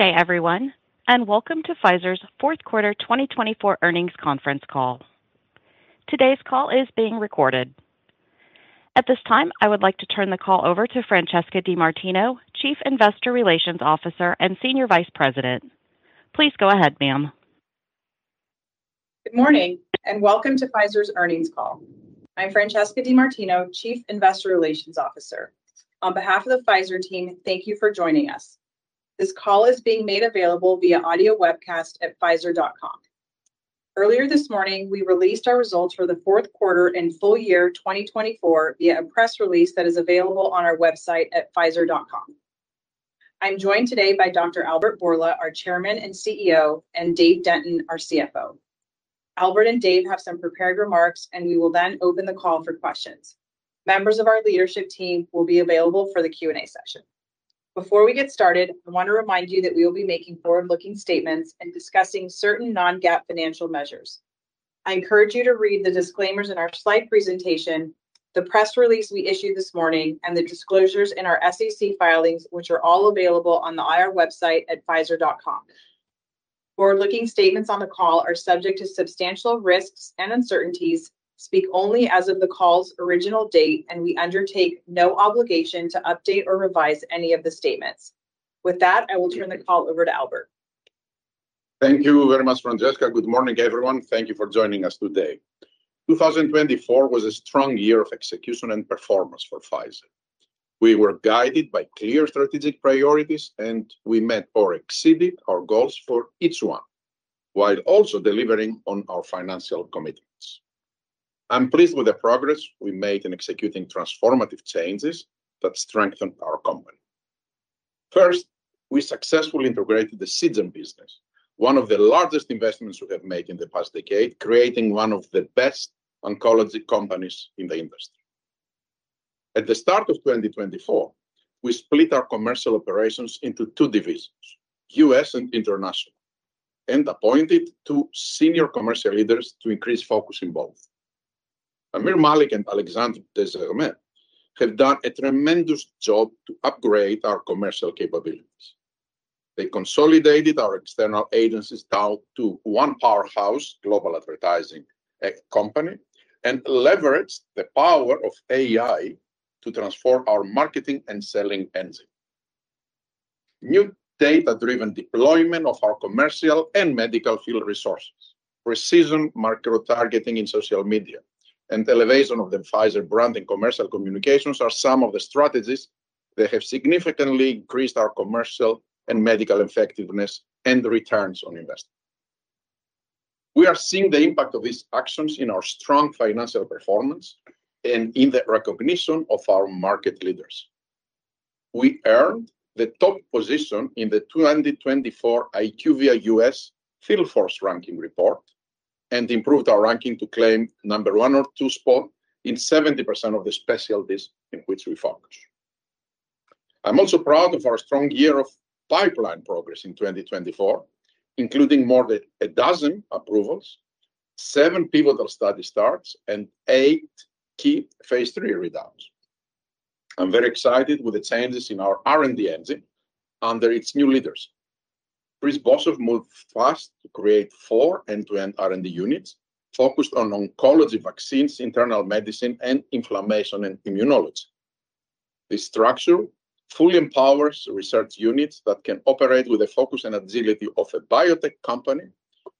Good day everyone and welcome to Pfizer's fourth quarter 2024 earnings conference call. Today's call is being recorded. At this time, I would like to turn the call over to Francesca DeMartino, Chief Investor Relations Officer and Senior Vice President. Please go ahead, ma'am. Am. Good morning and welcome to Pfizer's earnings call. I'm Francesca DeMartino, Chief Investor Relations Officer on behalf of the Pfizer team. Thank you for joining us. This call is being made available via audio webcast at pfizer.com. Earlier this morning we released our results for the fourth quarter and full year 2024 via a press release that is available on our website at pfizer.com. I'm joined today by Dr. Albert Bourla, our Chairman and CEO, and Dave Denton, our CFO. Albert and Dave have some prepared remarks and we will then open the call for questions. Members of our leadership team will be available for the Q&A session. Before we get started, I want to remind you that we will be making forward-looking statements and discussing certain non-GAAP financial measures. I encourage you to read the disclaimers in our slide presentation, the press release we issued this morning and the disclosures in our SEC filings which are all available on the IR website at Pfizer.com. Forward-looking statements on the call are subject to substantial risks and uncertainties. They speak only as of the call's original date and we undertake no obligation to update or revise any of the statements. With that, I will turn the call over to Albert. Thank you very much, Francesca. Good morning, everyone. Thank you for joining us today. 2024 was a strong year of execution and performance for Pfizer. We were guided by clear strategic priorities, and we met or exceeded our goals for each one while also delivering on our financial commitments. I'm pleased with the progress we made in executing transformative changes that strengthened our company. First, we successfully integrated the Seagen business, one of the largest investments we have made in the past decade, creating one of the best oncology companies in the industry. At the start of 2024, we split our commercial operations into two divisions, U.S. and International, and appointed two senior commercial leaders to increase focus in both. Aamir Malik and Alexandre de Germay have done a tremendous job to upgrade our commercial capabilities. They consolidated our external agencies out to one powerhouse global advertising company and leveraged the power of AI to transform our marketing and selling engineering, new data driven deployment of our commercial and medical field resources, precision macro targeting in social media, and elevation of the Pfizer brand in commercial communications are some of the strategies that have significantly increased our commercial and medical effectiveness and the returns on investment. We are seeing the impact of these actions in our strong financial performance and in the recognition of our market leaders. We earned the top position in the 2024 IQVIA US Field Force Ranking Report and improved our ranking to claim number one or two spot in 70% of the specialties in which we focus. I'm also proud of our strong year of pipeline progress in 2024, including more than a dozen approvals, seven pivotal study starts and eight key phase III readouts. I'm very excited with the changes in our R&D engine under its new leaders. Chris Boshoff moved fast to create four end-to-end R&D units focused on oncology, vaccines, internal medicine and inflammation and immunology. This structure fully empowers research units that can operate with the focus and agility of a biotech company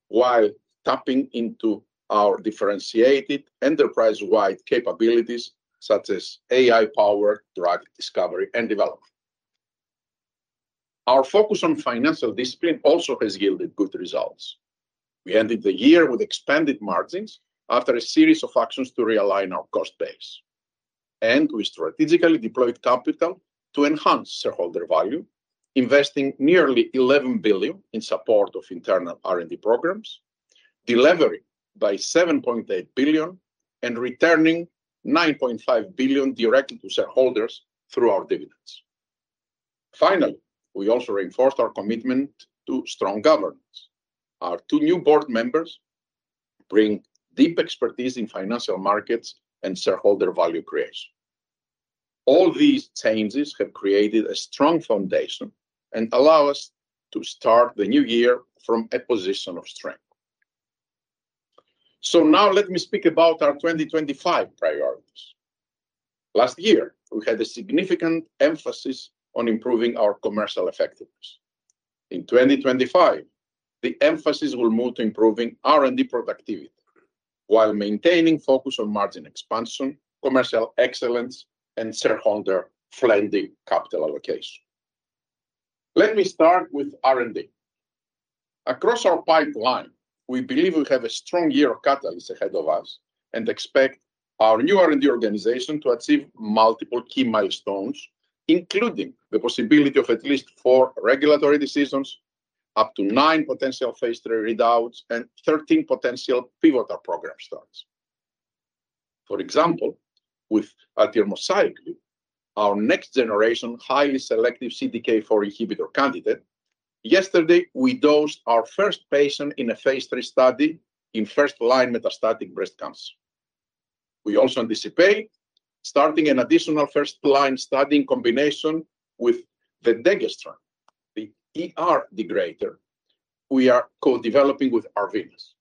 while tapping into our differentiated enterprise-wide capabilities such as AI-powered drug discovery and development. Our focus on financial discipline also has yielded good results. We ended the year with expanded margins after a series of actions to realign our cost base, and we strategically deployed capital to enhance shareholder value, investing nearly $11 billion in support of internal R&D programs, delivering $7.8 billion and returning $9.5 billion directly to shareholders through our dividends. Finally, we also reinforced our commitment to strong governance. Our two new board members bring deep expertise in financial markets and shareholder value creation. All these changes have created a strong foundation and allow us to start the new year from a position of strength. So now let me speak about our 2025 priorities. Last year we had a significant emphasis on improving our commercial effectiveness. In 2025 the emphasis will move to improving R&D productivity while maintaining focus on margin expansion, commercial excellence and shareholder friendly capital allocation. Let me start with R&D across our pipeline. We believe we have a strong year of catalyst ahead of us and expect our new R&D organization to achieve multiple key milestones including the possibility of at least four regulatory decisions, up to nine potential phase III readouts and 13 potential pivotal program starts, for example with atirmociclib, our next-generation highly selective CDK4 inhibitor candidate. Yesterday we dosed our first patient in a phase III study in first-line metastatic breast cancer. We also anticipate starting an additional first-line study in combination with the vepdegestrant, the ER degrader. We are co-developing with Arvinas.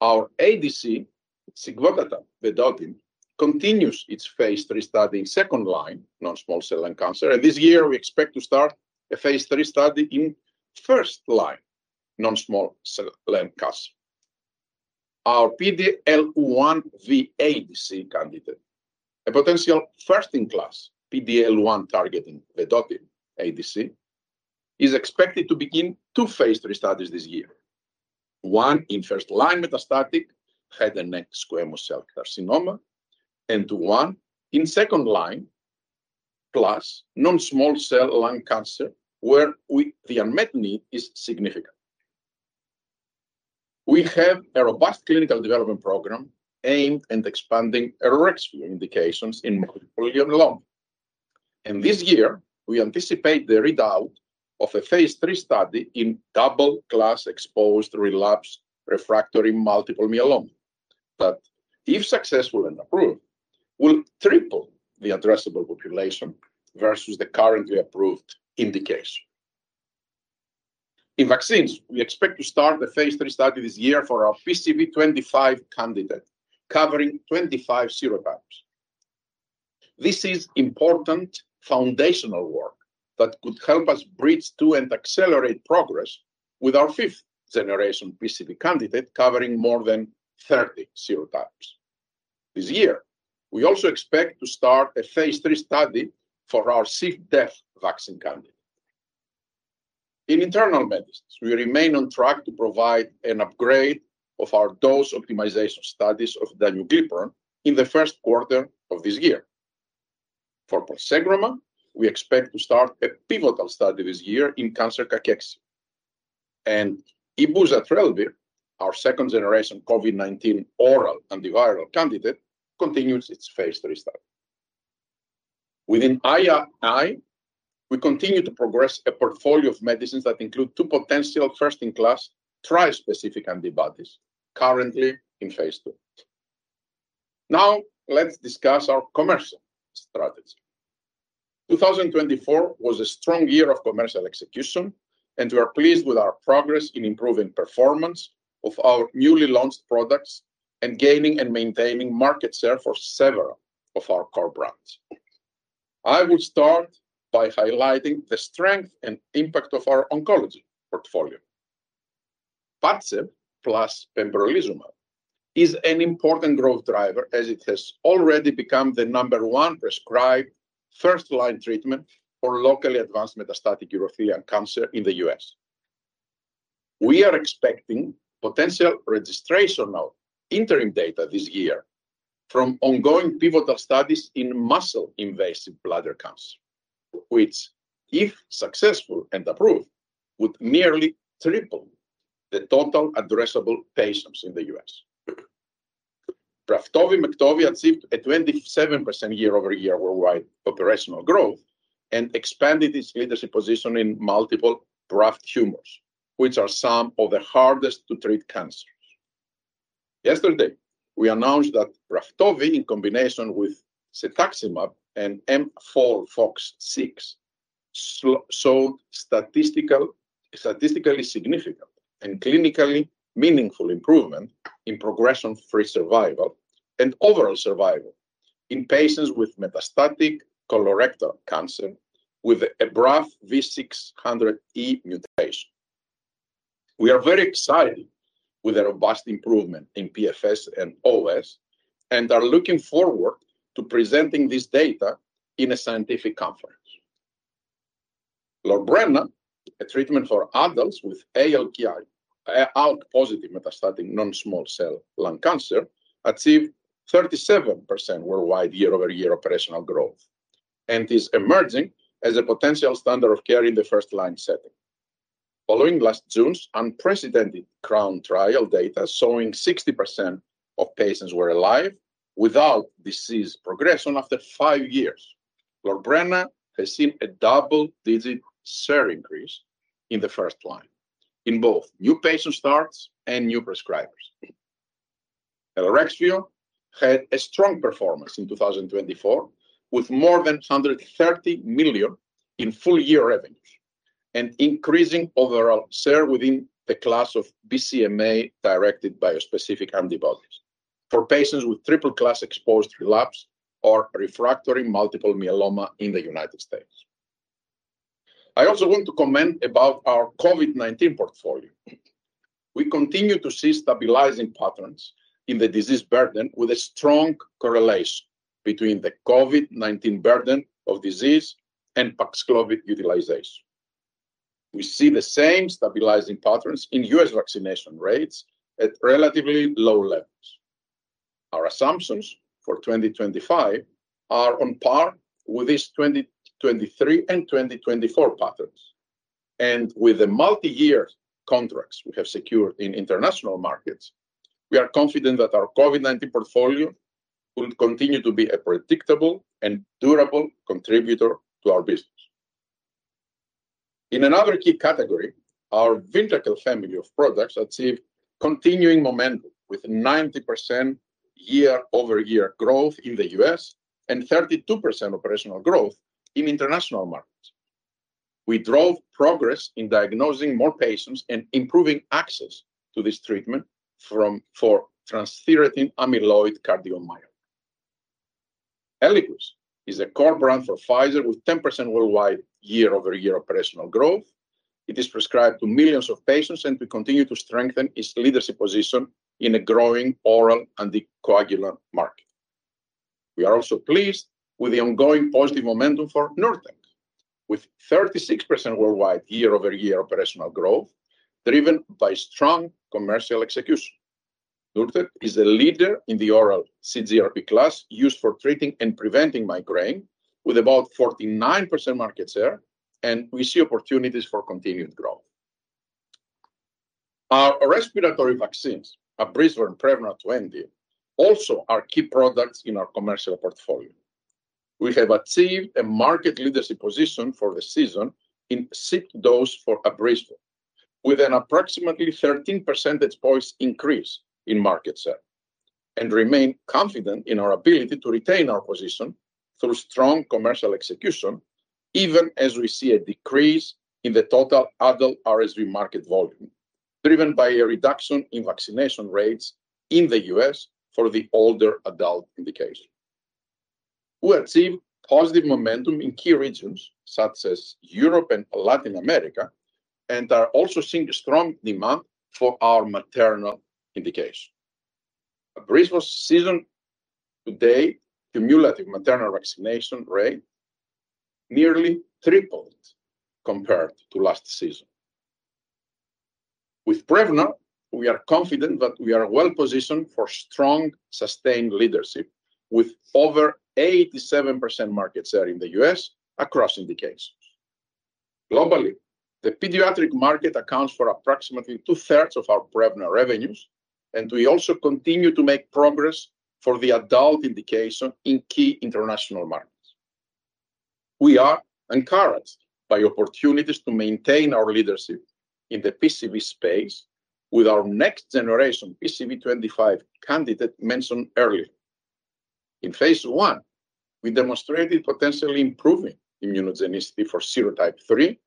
Our ADC. Sigvotatug vedotin continues its phase III study in second-line non-small cell lung cancer and this year we expect to start a phase IIII study in first-line non-small cell lung cancer. Our PD-L1-targeted ADC candidate, a potential first-in-class PD-L1-targeting vedotin ADC, is expected to begin two phase III studies this year, one in first-line metastatic head and neck squamous cell carcinoma and one in second-line+ non-small cell lung cancer where the unmet need is significant. We have a robust clinical development program aimed at expanding Elrexfio indications in multiple myeloma and this year we anticipate the readout of a phase III study in double-class exposed relapse refractory multiple myeloma that if successful and approved will triple the addressable population versus the currently approved indication. In vaccines, we expect to start the phase III study this year for our PCV25 candidate covering 25 serotypes. This is important foundational work that could help us bridge to and accelerate progress with our 5th-generation PCV candidate covering more than 30 serotypes this year. We also expect to start a phase III study for our C. difficile vaccine candidate in internal medicine. We remain on track to provide an update of our dose optimization studies of danuglipron in the first quarter of this year for ponsegromab. We expect to start a pivotal study this year in cancer cachexia, and ibuzatrelvir, our second-generation COVID-19 oral antiviral candidate, continues its phase III study. We continue to progress a portfolio of medicines that include two potential first-in-class tri-specific antibodies currently in phase 2. Now let's discuss our commercial strategy. 2024 was a strong year of commercial execution, and we are pleased with our progress in improving performance of our newly launched products and gaining and maintaining market share for several of our core brands. I will start by highlighting the strength and impact of our oncology portfolio. Padcev plus pembrolizumab is an important growth driver as it has already become the number one prescribed first line treatment for locally advanced metastatic urothelial cancer in the U.S. We are expecting potential registration of interim data this year from ongoing pivotal studies in muscle invasive bladder cancer which if successful and approved would nearly triple the total addressable patients in the U.S. Braftovi Mektovi achieved a 27% year over year worldwide operational growth and expanded its leadership position in multiple BRAF tumors which are some of the hardest to treat cancers. Yesterday we announced that Braftovi in combination with cetuximab showed statistically significant and clinically meaningful improvement in progression-free survival and overall survival in patients with metastatic colorectal cancer with a BRAF V600E mutation. We are very excited with the robust improvement in PFS and OS and are looking forward to presenting this data in a scientific conference. Lorbrena, a treatment for adults with ALK-positive metastatic non-small cell lung cancer, achieved 37% worldwide year-over-year operational growth and is emerging as a potential standard of care in the first-line setting. Following last June's unprecedented CROWN trial data showing 60% of patients were alive without disease progression after five years. Lorbrena has seen a double-digit share increase in the first line in both new patient starts and new prescribers. Elrexfio had a strong performance in 2024 with more than $130 million in full-year revenues and increasing overall share within the class of BCMA-directed bispecific antibodies for patients with triple-class exposed relapsed or refractory multiple myeloma in the United States. I also want to comment about our COVID-19 portfolio. We continue to see stabilizing patterns in the disease burden with a strong correlation between the COVID-19 burden of disease and Paxlovid utilization. We see the same stabilizing patterns in U.S. vaccination rates at relatively low levels. Our assumptions for 2025 are on par with this 2023 and 2024 patterns and with the multi-year contracts we have secured in international markets. We are confident that our COVID-19 portfolio will continue to be a predictable and durable contributor to our business. In another key category, our Vyndaqel family of products achieved continuing momentum with 90% year-over-year growth in the U.S. and 32% operational growth in international markets. We drove progress in diagnosing more patients and improving access to this treatment for transthyretin amyloid cardiomyopathy. Eliquis is a core brand for Pfizer with 10% worldwide year over year operational growth. It is prescribed to millions of patients and we continue to strengthen its leadership position in a growing oral anticoagulant market. We are also pleased with the ongoing positive momentum for Nurtec with 36% worldwide year over year operational growth driven by strong commercial execution. Nurtec is a leader in the oral CGRP class used for treating and preventing migraine with about 49% market share and we see opportunities for continued growth. Our respiratory vaccines, Abrysvo, PREVNAR 20, and also are key products in our commercial portfolio. We have achieved a market leadership position for the season in RSV dose for Abrysvo with an approximately 13 percentage points increase in market share and remain confident in our ability to retain our position through strong commercial execution even as we see a decrease in the total adult RSV market volume driven by a reduction in vaccination rates in the U.S. for the older adult indication. We achieved positive momentum in key regions such as Europe and Latin America and are also seeing strong demand for our maternal indication. Abrysvo season to date, cumulative maternal vaccination rate nearly tripled compared to last season with PREVNAR. We are confident that we are well positioned for strong sustained leadership with over 87% market share in the U.S. across indications globally. The pediatric market accounts for approximately two thirds of our PREVNAR revenues and we also continue to make progress for the adult indication in key international markets. We are encouraged by opportunities to maintain our leadership in the PCV space with our next generation PCV25 candidate mentioned earlier. In phase 1, we demonstrated potentially improving immunogenicity for serotype 3,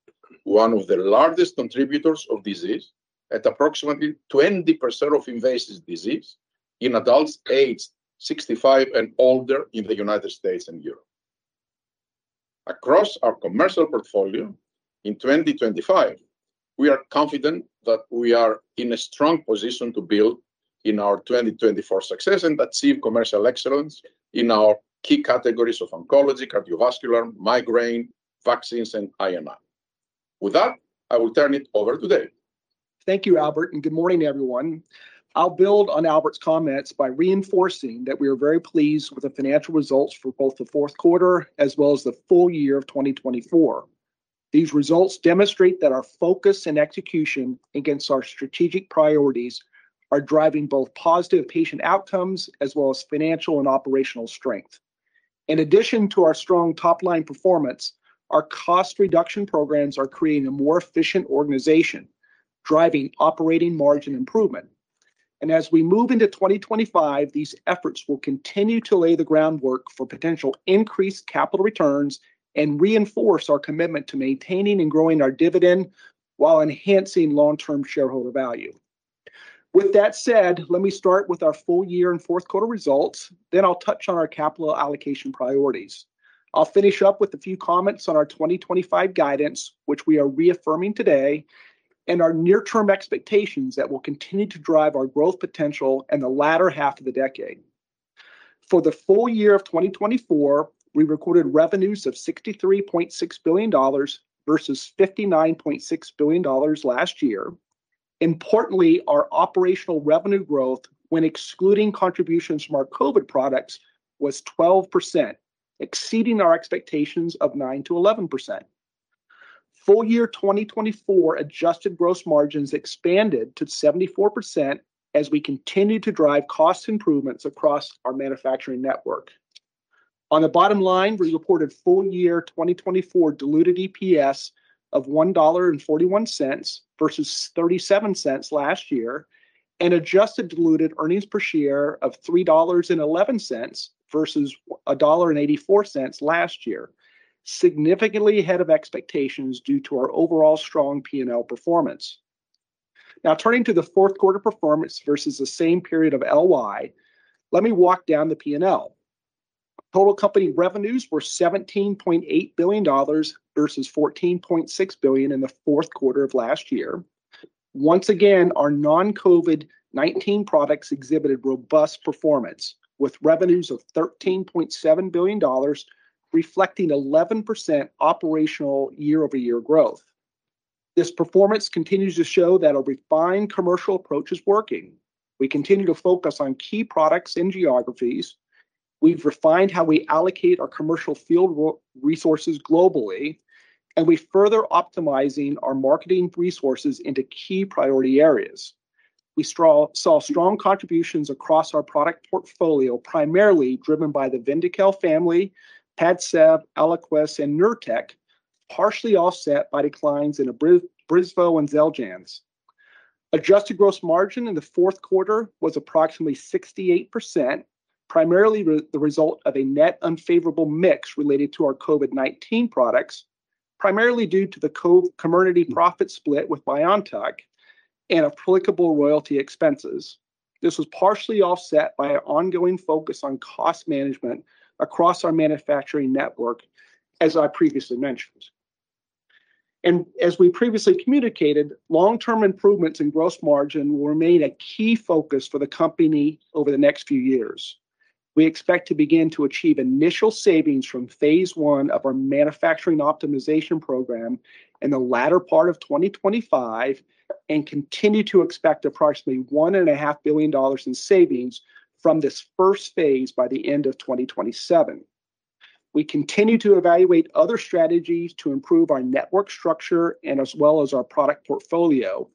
one of the largest contributors of disease at approximately 20% of invasive disease in adults aged 65 and older in the United States and Europe. Across our commercial portfolio in 2025, we are confident that we are in a strong position to build in our 2024 success and achieve commercial excellence in our key categories of oncology, cardiovascular migraine vaccines and I&I. With that I will turn it over to Dave. Thank you Albert and good morning everyone. I'll build on Albert's comments by reinforcing that we are very pleased with the financial results for both the fourth quarter as well as the full year of 2024. These results demonstrate that our focus and execution against our strategic priorities are driving both positive patient outcomes as well as financial and operational strength. In addition to our strong top line performance, our cost reduction programs are creating a more efficient organization driving operating margin improvement and as we move into 2025, these efforts will continue to lay the groundwork for potential increased capital returns and reinforce our commitment to maintaining and growing our dividend while enhancing long term shareholder value. With that said, let me start with our full year and fourth quarter results. Then I'll touch on our capital allocation priorities. I'll finish up with a few comments on our 2025 guidance which we are reaffirming today, and our near term expectations that will continue to drive our growth potential in the latter half of the decade. For the full year of 2024 we recorded revenues of $63.6 billion versus $59.6 billion last year. Importantly, our operational revenue growth when excluding contributions from our COVID products was 12%, exceeding our expectations of 9%-11% full year 2024. Adjusted gross margins expanded to 74% as we continue to drive cost improvements across our manufacturing network. On the bottom line, we reported full year 2024 diluted EPS of $1.41 versus $0.37 last year and adjusted diluted earnings per share of $3.11 versus $1.84 last year, significantly ahead of expectations due to our overall strong P&L performance. Now turning to the fourth quarter performance versus the same period of last year. Let me walk down the P and L. Total company revenues were $17.8 billion versus $14.6 billion in the fourth quarter of last year. Once again, our non-COVID-19 products exhibited robust performance with revenues of $13.7 billion reflecting 11% operational year-over-year growth. This performance continues to show that a refined commercial approach is working. We continue to focus on key products and geographies. We've refined how we allocate our commercial field resources globally and we further optimizing our marketing resources into key priority areas. We saw strong contributions across our product portfolio, primarily driven by the Vyndaqel family, Padcev, Eliquis and Nurtec, partially offset by declines in Abrysvo and Xeljanz. Adjusted gross margin in the fourth quarter was approximately 68%, primarily the result of a net unfavorable mix related to our COVID-19 products, primarily due to the Comirnaty profit split with BioNTech and applicable royalty expenses. This was partially offset by an ongoing focus on cost management across our manufacturing network. As I previously mentioned and as we previously communicated, long term improvements in gross margin will remain a key focus for the company over the next few years. We expect to begin to achieve initial savings from Phase one of our manufacturing optimization program in the latter part of 2025 and continue to expect approximately $1.5 billion in savings from this first phase by the end of 2027. We continue to evaluate other strategies to improve our network structure and as well as our product portfolio,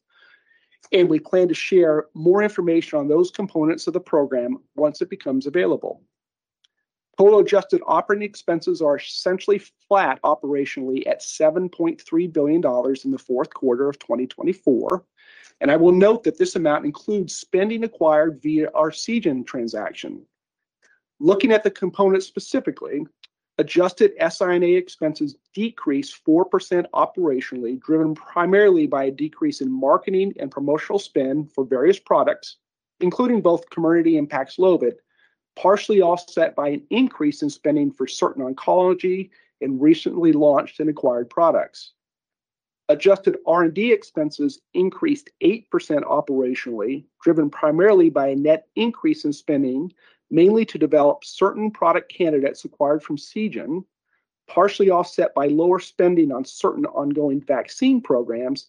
and we plan to share more information on those components of the program once it becomes available. Total adjusted operating expenses are essentially flat operationally at $7.3 billion in the fourth quarter of 2024 and I will note that this amount includes spending acquired via our Seagen transaction. Looking at the components specifically, adjusted SI&A expenses decreased 4% operationally driven primarily by a decrease in marketing and promotional spend for various products including both Comirnaty and Paxlovid, partially offset by an increase in spending for certain oncology and recently launched and acquired products. Adjusted R&D expenses increased 8% operationally driven primarily by a net increase in spending mainly to develop certain product candidates acquired from Seagen, partially offset by lower spending on certain ongoing vaccine programs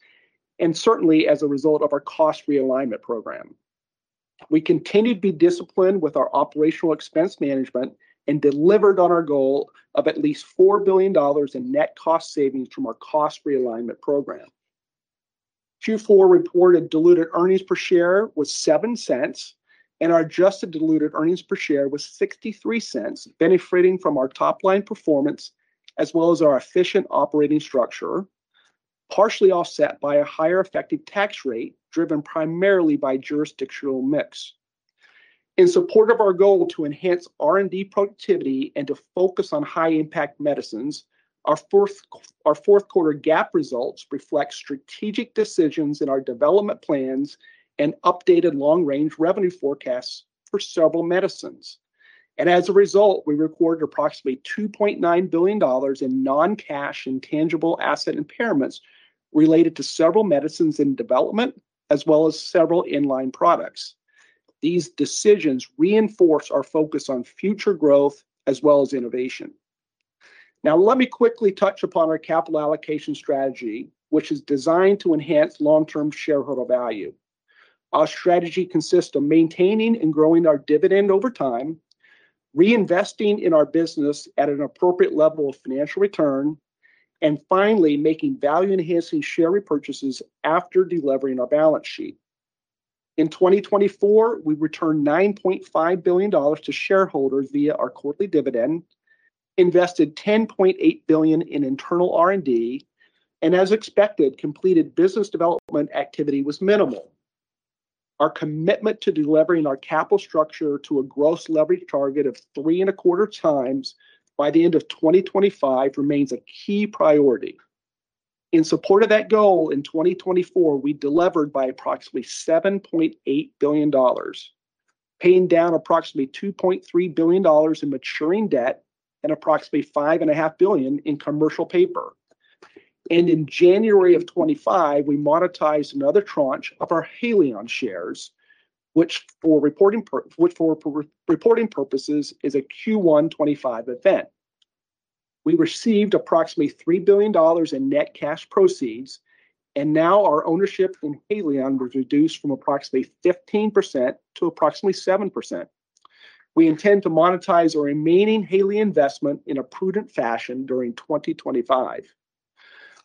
and certainly as a result of our cost realignment program. We continue to be disciplined with our operational expense management and delivered on our goal of at least $4 billion in net cost savings from our cost realignment program. Q4 reported diluted earnings per share was $0.07 and our adjusted diluted earnings per share was $0.63, benefiting from our top line performance as well as our efficient operating structure, partially offset by a higher effective tax rate driven primarily by jurisdictional mix. In support of our goal to enhance R&D productivity and to focus on high impact medicines. Our fourth quarter GAAP results reflect strategic decisions in our development plans and updated long-range revenue forecasts for several medicines, and as a result we recorded approximately $2.9 billion in non-cash intangible asset impairments related to several medicines in development as well as several in-line products. These decisions reinforce our focus on future growth as well as innovation. Now let me quickly touch upon our capital allocation strategy, which is designed to enhance long-term shareholder value. Our strategy consists of maintaining and growing our dividend over time, reinvesting in our business at an appropriate level of financial return and finally making value-enhancing share repurchases. After delevering our balance sheet in 2024, we returned $9.5 billion to shareholders via our quarterly dividend, invested $10.8 billion in internal R&D and, as expected, completed business development activity was minimal. Our commitment to delivering our capital structure to a gross leverage target of three and a quarter times by the end of 2025 remains a key priority in support of that goal. In 2024 we delivered by approximately $7.8 billion, paying down approximately $2.3 billion in maturing debt and approximately $5.5 billion in commercial paper and in January of 2025 we monetized another tranche of our Haleon shares which for reporting purposes is a Q1 2025 event. We received approximately $3 billion in net cash proceeds and now our ownership in Haleon was reduced from approximately 15% to approximately 7%. We intend to monetize our remaining Haleon investment in a prudent fashion during 2025.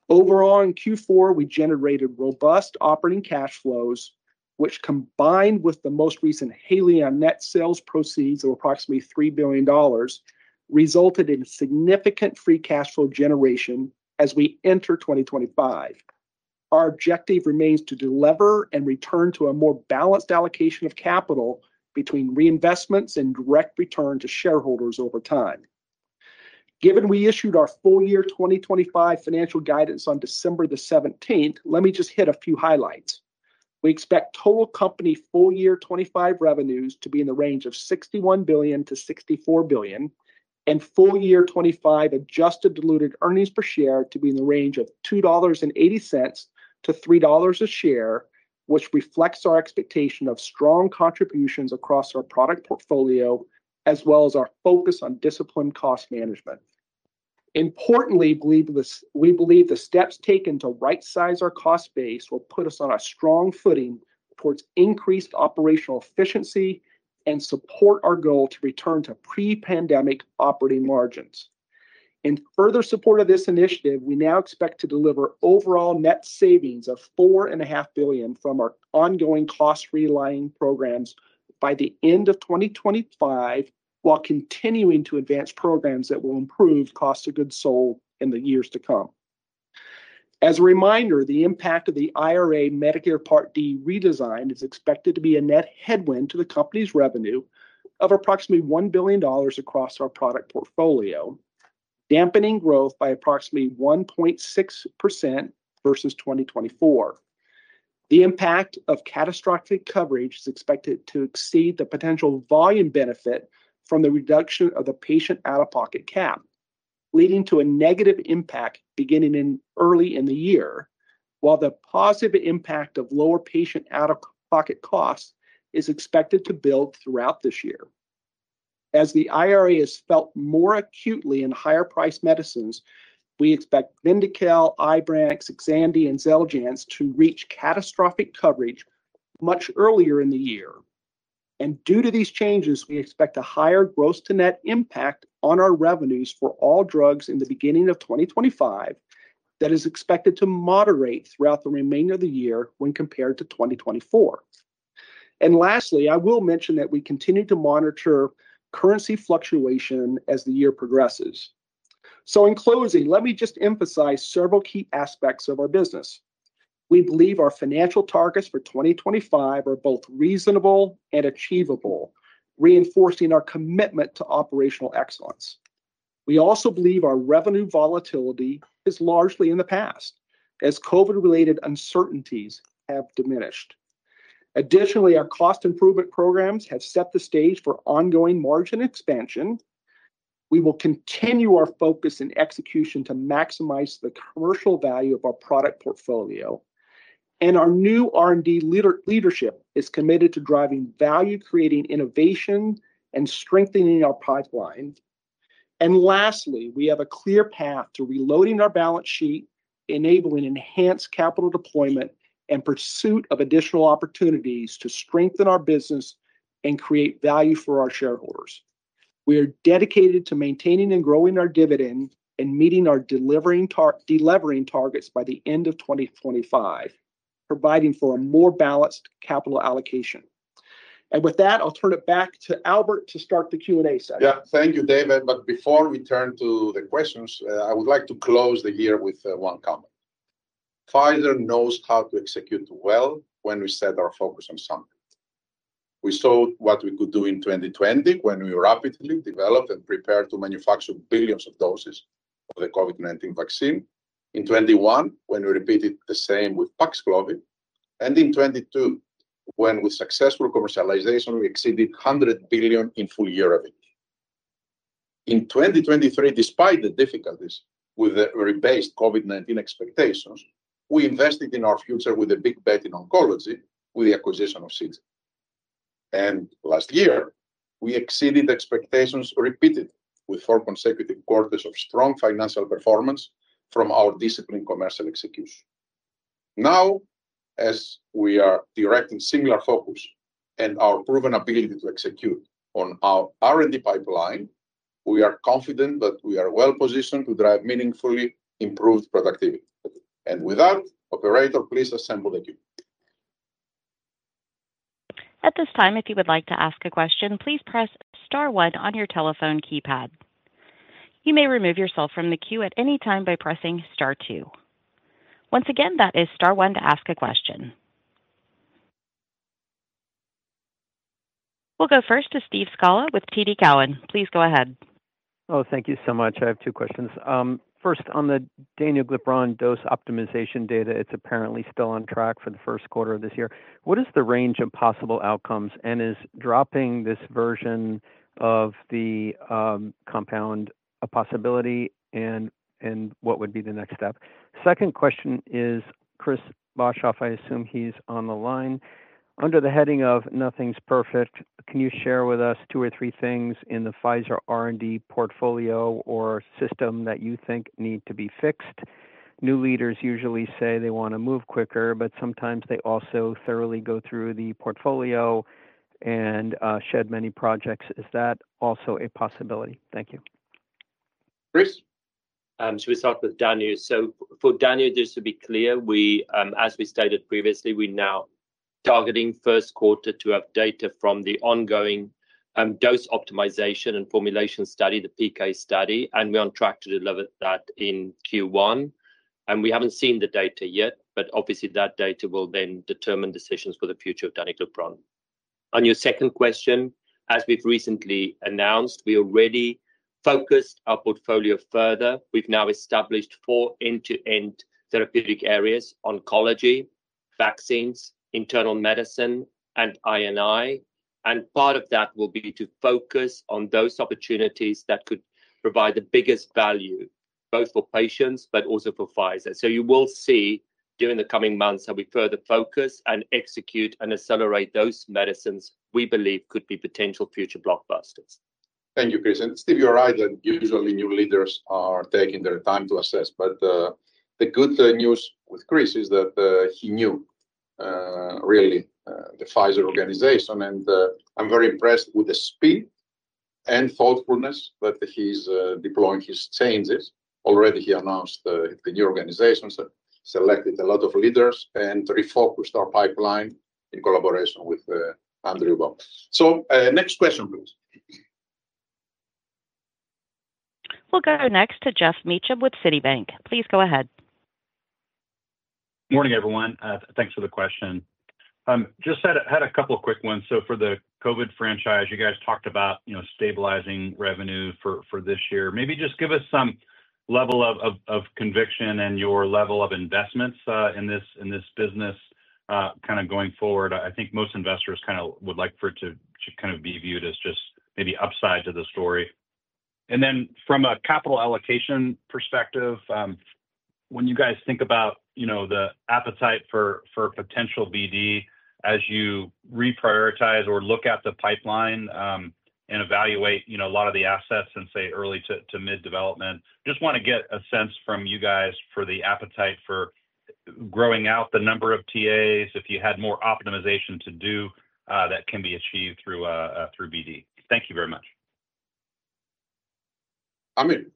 Overall in Q4 we generated robust operating cash flows which combined with the most recent Haleon net sales proceeds of approximately $3 billion resulted in significant free cash flow generation. As we enter 2025, our objective remains to deliver and return to a more balanced allocation of capital between reinvestments and direct return to shareholders over time. Given we issued our full year 2025 financial guidance on December 17, let me just hit a few highlights. We expect total company full year 2025 revenues to be in the range of $61 billion-$64 billion and full year 2025 adjusted diluted earnings per share to be in the range of $2.80-$3 a share, which reflects our expectation of strong contributions across our product portfolio as well as our focus on disciplined cost management. Importantly, we believe the steps taken to right size our cost base will push us on a strong footing towards increased operational efficiency and support our goal to return to pre-pandemic operating margins. In further support of this initiative, we now expect to deliver overall net savings of $4.5 billion from our ongoing cost realignment programs by the end of 2025 while continuing to advance programs that will improve cost of goods sold in the years to come. As a reminder, the impact of the IRA Medicare Part D redesign is expected to be a net headwind to the company's revenue of approximately $1 billion across our product portfolio, dampening growth by approximately 1.6% versus 2024. The impact of catastrophic coverage is expected to exceed the potential volume benefit from the reduction of the patient out of pocket cap leading to a negative impact beginning early in the year, while the positive impact of lower patient out of pocket costs is expected to build throughout this year as the IRA is felt more acutely in higher priced medicines. We expect Vyndaqel, Ibrance, Xtandi and Xeljanz to reach catastrophic coverage much earlier in the yeaR&Due to these changes we expect a higher gross to net impact on our revenues for all drugs in the beginning of 2025 that is expected to moderate throughout the remainder of the year when compared to 2024. Lastly, I will mention that we continue to monitor currency fluctuation as the year progresses. In closing, let me just emphasize several key aspects of our business. We believe our financial targets for 2025 are both reasonable and achievable, reinforcing our commitment to operational excellence. We also believe our revenue volatility is largely in the past as Covid related uncertainties have diminished. Additionally, our cost improvement programs have set the stage for ongoing margin expansion. We will continue our focus and execution to maximize the commercial value of our product portfolio and our new R&D leadership is committed to driving value, creating innovation and strengthening our pipeline. Lastly, we have a clear path to reloading our balance sheet, enabling enhanced capital deployment and pursuit of additional opportunities to strengthen our business and create value for our shareholders. We are dedicated to maintaining and growing our dividend and meeting our delevering targets by the end of 2025, providing for a more balanced capital allocation. With that I'll turn it back to Albert to start the Q and A session. Yeah, thank you, David. But before we turn to the questions, I would like to close the year with one comment. Pfizer knows how to execute well when we set our focus on something. We saw what we could do in 2020 when we rapidly developed and prepared to manufacture billions of doses of the COVID-19 vaccine. In 2021 when we repeated the same with Paxlovid and in 2022 when with successful commercialization we exceeded $100 billion in full-year revenue. In 2023, despite the difficulties with the rebased COVID-19 expectations, we invested in our future with a big bet in oncology with the acquisition of Seagen. And last year we exceeded expectations repeated with four consecutive quarters of strong financial performance from our disciplined commercial execution. Now, as we are directing similar focus and our proven ability to execute on our R&D pipeline, we are confident that we are well positioned to drive meaningfully improved productivity. With that, operator, please assemble the. Queue. At this time, if you would like to ask a question, please press star one on your telephone keypad. You may remove yourself from the queue at any time by pressing star two. Once again, that is star one to ask a question. We'll go first to Steve Scala with TD Cowen. Please go ahead. Oh, thank you so much. I have two questions. First on the danuglipron dose optimization data, it's apparently still on track for the first quarter of this year. What is the range of possible outcomes? And is dropping this version of the compound a possibility? And what would be the next step? Second question is Chris Boshoff. I assume he's on the line under the heading of nothing's perfect. Can you share with us two or three things in the Pfizer R&D portfolio or system that you think need to be fixed? New leaders usually say they want to move quicker, but sometimes they also thoroughly go through the portfolio and shed many projects. Is that also a possibility? Thank you Bruce. Should we start with Danuglipron? So for Danuglipron, just to be clear, as we stated previously, we now targeting first quarter to have data from the ongoing dose optimization and formulation study, the PK study and we're on track to deliver that in Q1 and we haven't seen the data yet, but obviously that data will then determine decisions for the future of Danuglipron. On your second question, as we've recently announced, we already focused our portfolio further. We've now established four end to end therapeutic areas, Oncology, vaccines, internal medicine and inflammation. And part of that will be to focus on those opportunities that could provide the biggest value both for patients, but also for Pfizer. So you will see during the coming months that we further focus and execute and accelerate those medicines we believe could be potential future blockbusters. Thank you, Chris and Steve. You're right that usually new leaders are taking their time to assess. But the good news with Chris is that he knew really the Pfizer organization and I'm very impressed with the speed and thoughtfulness that he's deploying his changes already. He announced the new organizations and selected a lot of leaders and refocused our pipeline in collaboration with Andrew Baum. So next question please. We'll go next to Geoff Meacham with Citibank. Please go ahead. Morning everyone. Thanks for the question. Just had a couple of quick ones. So for the COVID franchise, you guys talked about, you know, stabilizing revenue for this year, maybe just give us some level of conviction and your level of investments in this business kind of going forward. I think most investors kind of would like for it to should kind of be viewed as just maybe upside to the story. And then from a capital allocation perspective, when you guys think about, you know, the appetite for potential BD as you reprioritize or look at the pipeline and evaluate, you know, a lot of the assets and say early to mid development? Just want to get a sense from you guys for the appetite for growing out the number of TAs if you had more optimization to do that can be achieved through bd? Thank you very much. Aamir.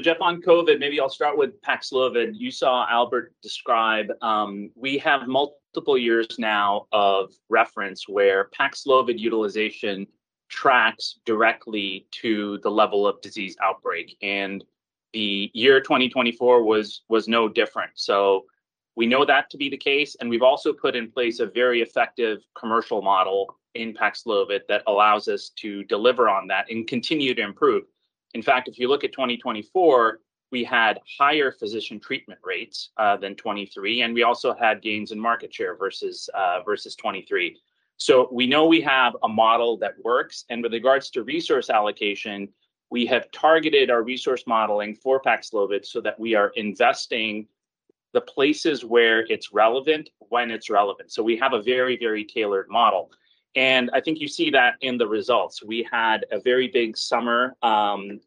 Jeff, on COVID, maybe I'll start with Paxlovid. You saw Albert describe. We have multiple years now of reference where Paxlovid utilization tracks directly to the level of disease outbreak and the year 2024 was no different. We know that to be the case. We've also put in place a very effective commercial model in Paxlovid that allows us to deliver on that and continue to improve. In fact, if you look at 2024, we had higher physician treatment rates than 2023 and we also had gains in market share versus 2023. We know we have a model that works. With regards to resource allocation, we have targeted our resource modeling for Paxlovid so that we are investing the places where it's relevant, when it's relevant. We have a very, very tailored model and I think you see that in the results. We had a very big summer and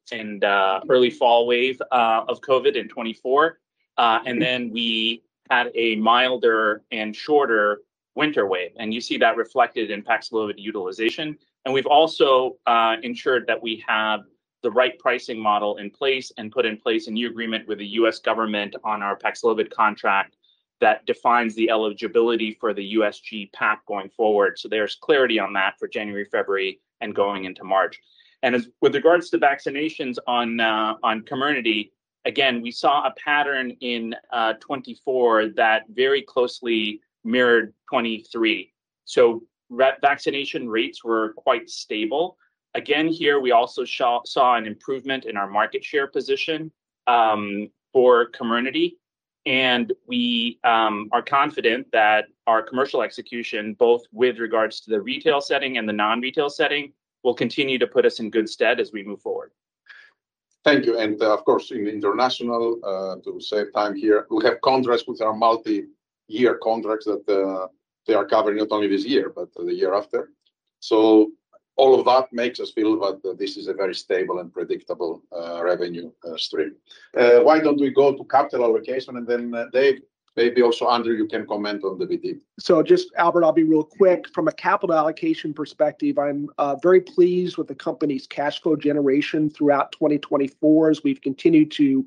early fall wave of COVID in 2024 and then we had a milder and shorter winter wave and you see that reflected in Paxlovid utilization, and we've also ensured that we have the right pricing model in place and put in place a new agreement with the U.S. Government on our Paxlovid contract that defines the eligibility for the USG PAP going forward, so there's clarity on that for January, February and going into March, and with regards to vaccinations on Comirnaty, again we saw a pattern in 2024 that very closely mirrored 2023, so vaccination rates were quite stable again here. We also saw an improvement in our market share position for Comirnaty and we are confident that our commercial execution, both with regards to the retail setting and the non-retail setting, will continue to put us in good stead as we move forward. Thank you. And of course in International, to save time here we have contracts with our multi year contracts that they are covering not only this year but the year after. So all of that makes us feel that this is a very stable and predictable revenue stream. Why don't we go to capital allocation and then Dave, maybe also Andrew, you can comment on the video. So, just Albert, I'll be real quick. From a capital allocation perspective, I'm very pleased with the company's cash flow generation throughout 2024 as we've continued to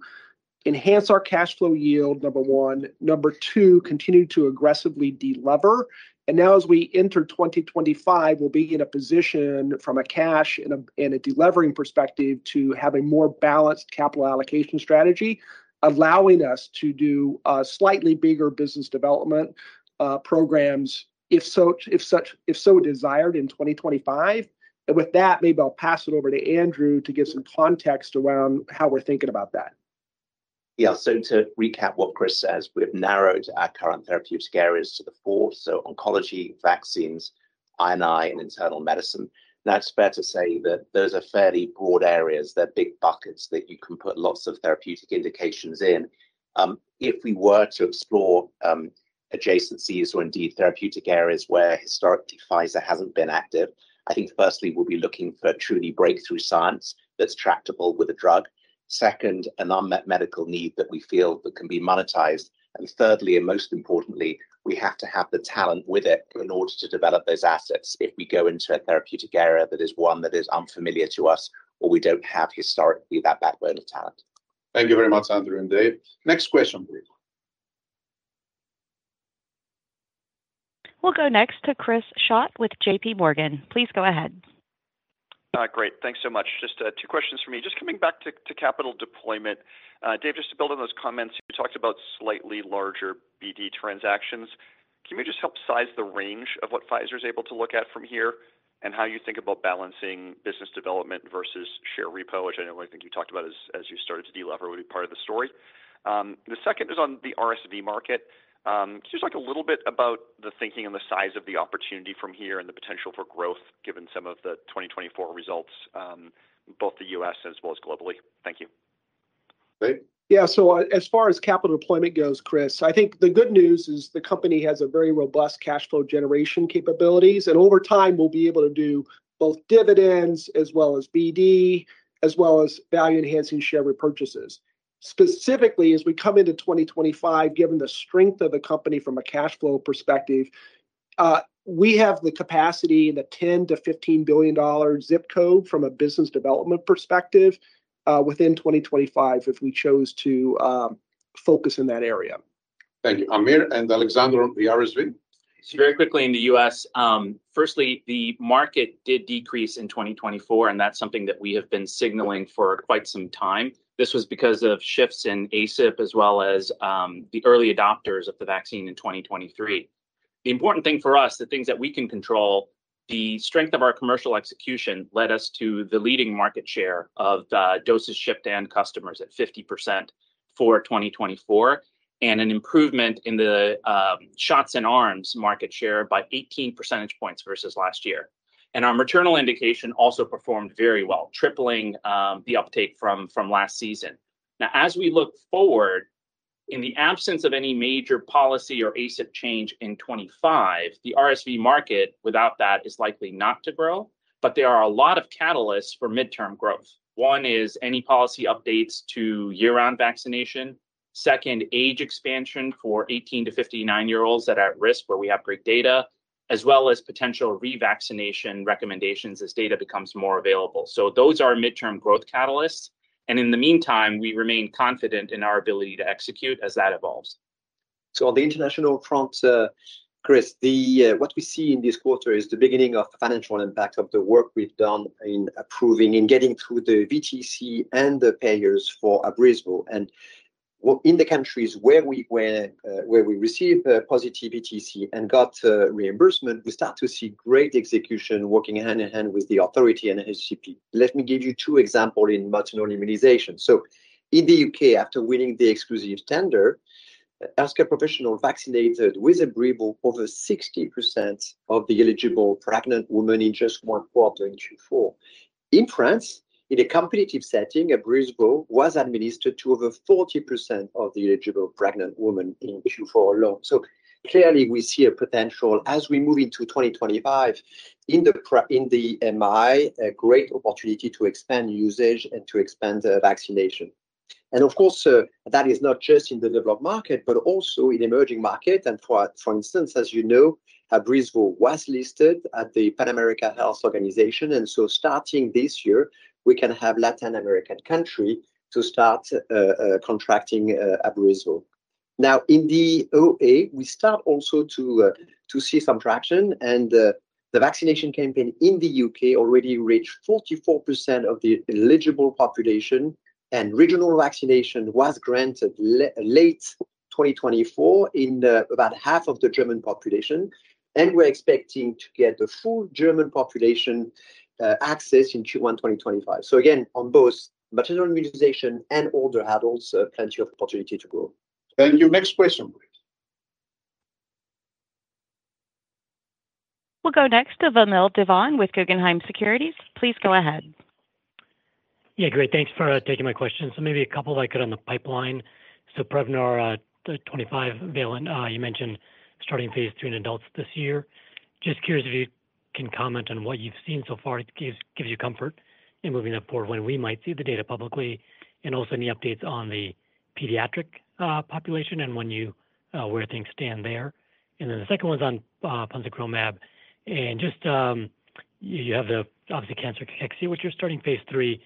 enhance our cash flow yield, number one. Number two, continue to aggressively delever. And now as we enter 2025, we'll be in a position from a cash and a delevering perspective to have a more balanced capital allocation strategy, allowing us to do slightly bigger business development programs if so desired in 2025. And with that maybe I'll pass it over to Andrew to give some context around how we're thinking about that. Yeah, so to recap what Chris says, we have narrowed our current therapeutic areas to the four so oncology, vaccines, INI and internal medicine. Now it's fair to say that those are fairly broad areas. They're big buckets that you can put lots of therapeutic indications in. If we were to explore adjacencies or indeed therapeutic areas where historically Pfizer hasn't been active, I think firstly we'll be looking for truly breakthrough science that's tractable with a drug. Second, an unmet medical need that we feel that can be monetized and thirdly and most importantly, we have to have the talent with it in order to develop those assets. If we go into a therapeutic area that is one that is unfamiliar to us or we don't have historically that backbone of talent. Thank you very much Andrew and Dave. Next question. We'll go next to Chris Schott with JP Morgan Chase & Co. Please go ahead. Great. Thanks so much. Just two questions for me. Just coming back to capital deployment. Dave, just to build on those comments you talked about slightly larger BD transactions. Can we just help size the range of what Pfizer is able to look at from here and how you think about balancing business development versus share repo, which I know, I think you talked about as you started to delever would be part of the story? The second is on the RSV market just like a little bit about the thinking and the size of the opportunity from here and the potential for growth given some of the 2024 results, both the U.S. as well as globally. Thank you. Yeah. So as far as capital deployment goes Chris, I think the good news is the company has a very robust cash flow generation capabilities and over time we'll be able to do both dividends as well as BD as well as value enhancing share repurchases. Specifically as we come into 2025. Given the strength of the company from a cash flow perspective, we have the capacity, the $10-$15 billion zip code from a business development perspective within 2025 if we chose to focus in that area. Thank you, Amir and Alexandre. The RSV very quickly in the U.S. Firstly, the market did decrease in 2024, and that's something that we have been signaling for quite some time. This was because of shifts in ACIP as well as the early adopters of the vaccine in 2023. The important thing for us, the things that we can control, the strength of our commercial execution led us to the leading market share of doses shipped and customers at 50% for 2024 and an improvement in the shots and arms market share by 18 percentage points versus last year. And our maternal indication also performed very well, tripling the uptake from last season. Now as we look forward, in the absence of any major policy or ACIP change in 2025, the RSV market without that is likely not to grow. But there are a lot of catalysts for midterm growth. One is any policy updates to year-round vaccination. Second, age expansion for 18-59-year-olds that are at risk where we have great data as well as potential revaccination recommendations as data becomes more available. So those are mid-term growth catalysts and in the meantime we remain confident in our ability to execute as that evolves. On the international front, Chris, what we see in this quarter is the beginning of financial impact of the work we've done in approving and getting through the HTA and the payers for Abrysvo and in the countries where we received positive HTA and got reimbursement. We start to see great execution working hand in hand with the authorities and HCP. Let me give you two examples in maternal immunization. In the U.K. after winning the exclusive standard, healthcare professionals vaccinated with Abrysvo. Over 60% of the eligible pregnant women in just one quarter in Q4. In a competitive setting, Abrysvo was administered to over 40% of the eligible pregnant women in Q4 alone. Clearly we see a potential as we move into 2025 in the MI, a great opportunity to expand usage and to expand vaccination. Of course that is not just in the developed market but also in emerging market. For instance as you know, Abrysvo was listed at the Pan American Health Organization and so starting this year we can have Latin American country to start contracting Abrysvo. Now in the OA we start also to see some traction and the vaccination campaign in the UK already reached 44% of the eligible population and reimbursement was granted late 2024 in about half of the German population. We're expecting to get the full German population access in Q1 2025. Again on both maternal immunization and older adults, plenty of opportunity to grow. Thank you. Next question please. We'll go next, Vamil Divan, with Guggenheim Securities. Please go ahead. Yeah, great. Thanks for taking my questions. So maybe a couple I could on the pipeline. So PREVNAR 25-valent, you mentioned starting phase III in adults this year. Just curious if you can comment on what you've seen so far. It gives you comfort in moving forward when we might see the data publicly and also any updates on the pediatric population and when, where things stand there. And then the second one is on Ponsegromab and just you have the obviously cancer cachexia which you're starting phase III.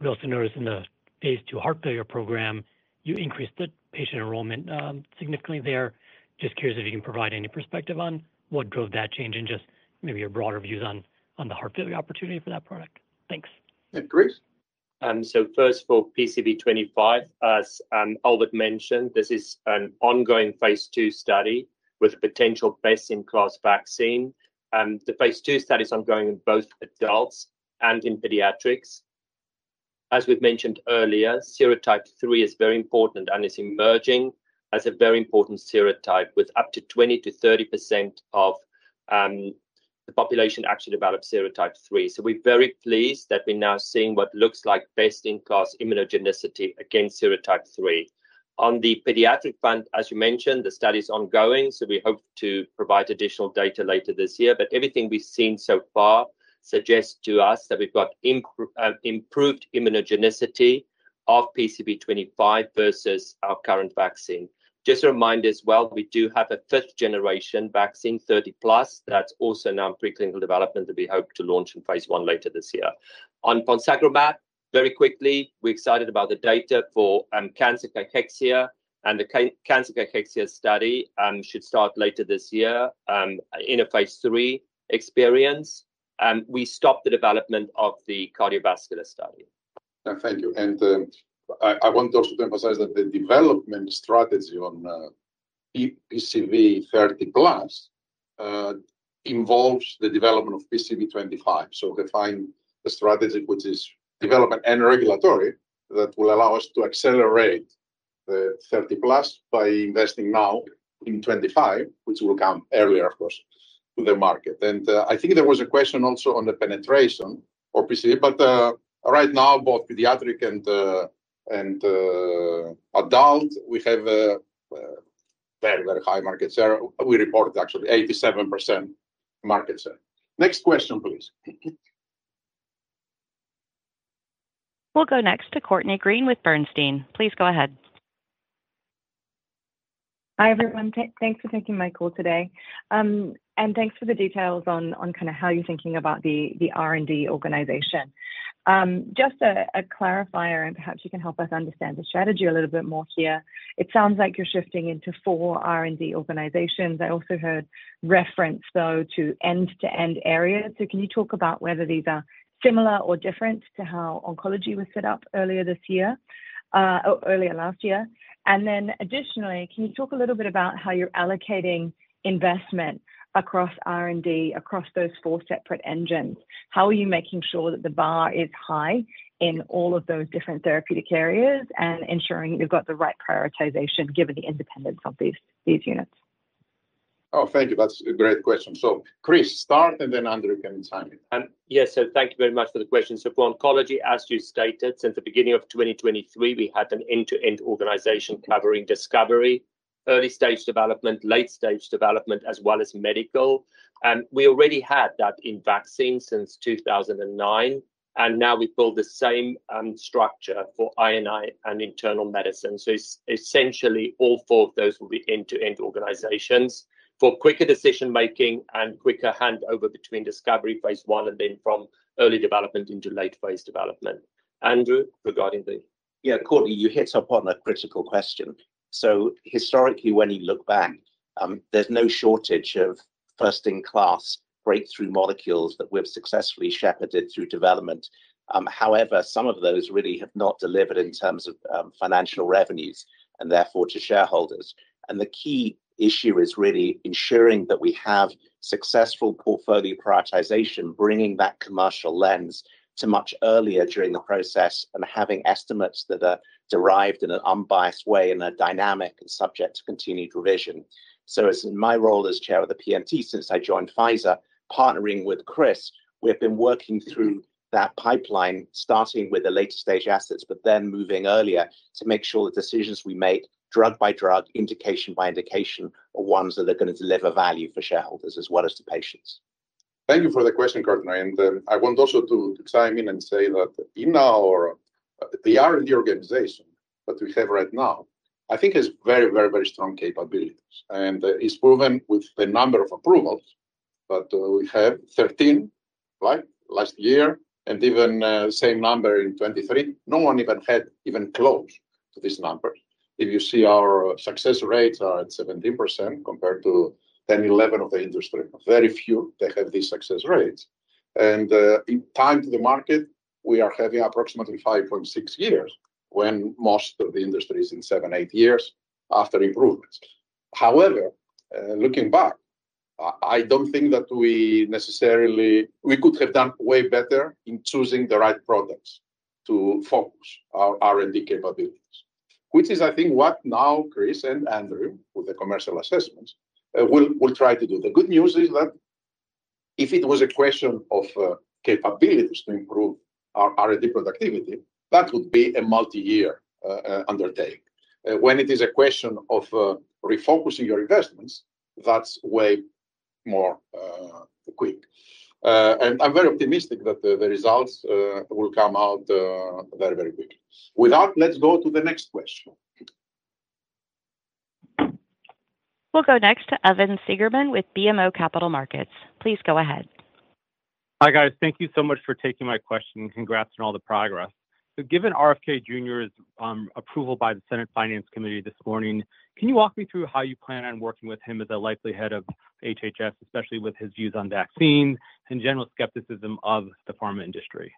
We also notice in the phase 2 heart failure program you increased the patient enrollment significantly there. Just curious if you can provide any perspective on what drove that change and just maybe your broader views on the heart failure opportunity for that product. Thanks, Chris. First for PCV25, as Albert mentioned, this is an ongoing phase two study with a potential best in class vaccine. The phase two study is ongoing in both adults and in pediatrics. As we've mentioned earlier, serotype 33 is very important and is emerging as a very important serotype with up to 20%-30% of the population actually develop serotype 3. We're very pleased that we're now seeing what looks like best in class immunogenicity against serotype 3. On the pediatric front, as you mentioned, the study is ongoing, so we hope to provide additional data later this year. But everything we've seen so far suggests to us that we've got increased improved immunogenicity of PCV25 versus our current vaccine. Just a reminder as well, we do have a fifth-generation vaccine, 30-plus, that's also now in preclinical development that we hope to launch in phase one later this year on Ponsegromab. Very quickly, we're excited about the data for cancer cachexia, and the cancer cachexia study should start later this year. In a phase three experience, we stop the development of the cardiovascular study. Thank you. And I want also to emphasize that the development strategy on PCV 30+ involves the development of PCV 25. So define the strategy which is development and regulatory. That will allow us to accelerate the 30 plus by investing now, putting 25, which will come earlier, of course, to the market. And I think there was a question also on the penetration of PCV. But right now both pediatric and adult we have a very, very high market share. We reported actually 87% market share. Next question please. We'll go next to Courtney Breen with Bernstein. Please go ahead. Hi everyone. Thanks for taking my call today and thanks for the details on kind of how you're thinking about the R&D organization. Just a clarifier and perhaps you can help us understand the strategy a little bit more here. It sounds like you're shifting into four R&D organizations. I also heard reference though to end-to-end areas. So can you talk about whether these are similar or different to how oncology was set up earlier this year, earlier last year. And then additionally, can you talk a little bit about how you're allocating investment across R&D across those four separate engines? How are you making sure that the bar is high in all of those different therapeutic areas and ensuring you've got the right prioritization given the independence of these units. Oh, thank you. That's a great question. So Chris, start and then Andrew, can you. Yes, so thank you very much for the question. So for oncology, as you stated, since the beginning of 2023, we had an end to end organization covering discovery, early stage development, late stage development as well as medical. And we already had that in vaccine since 2009 and now we build the same structure for INI and internal medicine. So essentially all four of those will be end to end organizations for quicker decision making and quicker handover between discovery phase one and then from early development into late phase development. Andrew, regarding the. Yeah, Courtney, you hit upon a critical question. Historically when you look back, there's no shortage of first in class breakthrough molecules that we've successfully shepherded through development. However, some of those really have not delivered in terms of financial revenues and therefore to shareholders. The key issue is really ensuring that we have successful portfolio prioritization, bringing that commercial lens to much earlier during the process and having estimates that are derived in an unbiased way in a dynamic and subject to continued revision. In my role as chair of the PMT since I joined Pfizer partnering with Chris, we have been working through that pipeline, starting with the later stage assets, but then moving earlier to make sure the decisions we make drug by drug, indication by indication are ones that are going to deliver value for shareholders as well as to patients. Thank you for the question, Courtney. I want also to chime in and say that in our R&D organization that we have right now I think has very, very, very strong capabilities and is proven with the number of approvals. But we have 13, like last year and even same number in 2023. No one even had even close to this number. If you see our success rates are at 17% compared to 10-11% of the industry. Very few they have these success rates and in time to the market we are having approximately 5.6 years when most of the industry is in 7-8 years after improvements. However, looking back, I don't think that we necessarily could have done way better in choosing the right products to focus our R&D capabilities, which is I think what now Chris and Andrew with the commercial assessments will try to do. The good news is that if it was a question of capabilities to improve our R&D productivity, that would be a multiyear undertaking. When it is a question of refocusing your investments, that's way more quick and I'm very optimistic that the results will come out very, very quickly. With that, let's go to the next question. We'll go next to Evan Seigerman with BMO Capital Markets. Please go ahead. Hi guys. Thank you so much for taking my question. Congrats on all the progress. Given RFK Jr.'s approval by the Senate Finance Committee this morning, can you walk me through how you plan on working with him as the likely head of HHS, especially with his views on vaccines and general skepticism of the pharma industry?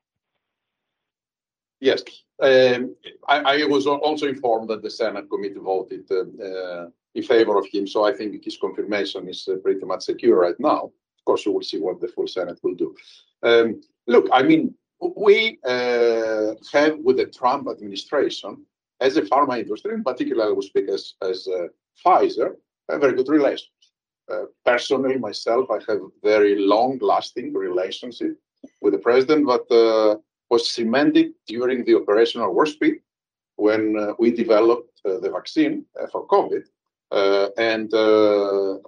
Yes. I was also informed that the Senate committee voted in favor of him. So I think his confirmation is pretty much secure right now. Of course, you will see what the full Senate will do. Look, I mean we have with the Trump administration as a pharma industry in particular, we speak as Pfizer, a very good relationship. Personally myself, I have very long lasting relationship with the President but was cemented during Operation Warp Speed when we developed the vaccine for COVID-19.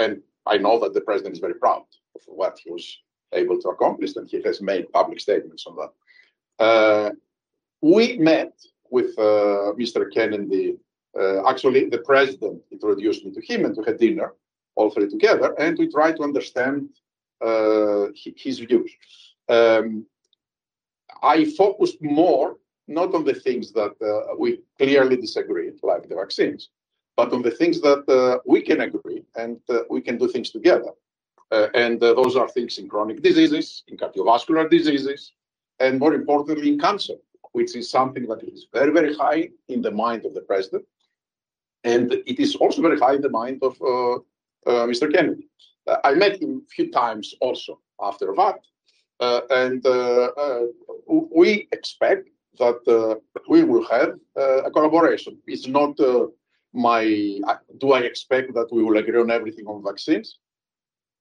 And I know that the President is very proud of what he was able to accomplish and he has made public statements on that. We met with Mr. Kennedy, actually the President introduced me to him and to have dinner all three together and we tried to understand his views. I focused more not on the things that we clearly disagreed with, like the vaccines, but on the things that we can agree and we can do things together. And those are things in chronic diseases, in cardiovascular diseases, and more importantly in cancer, which is something that is very, very high in the mind of the President and it is also very high in the mind of Mr. Kennedy. I met him a few times also after that. And we expect that we will have a collaboration. It's not like I expect that we will agree on everything on vaccines.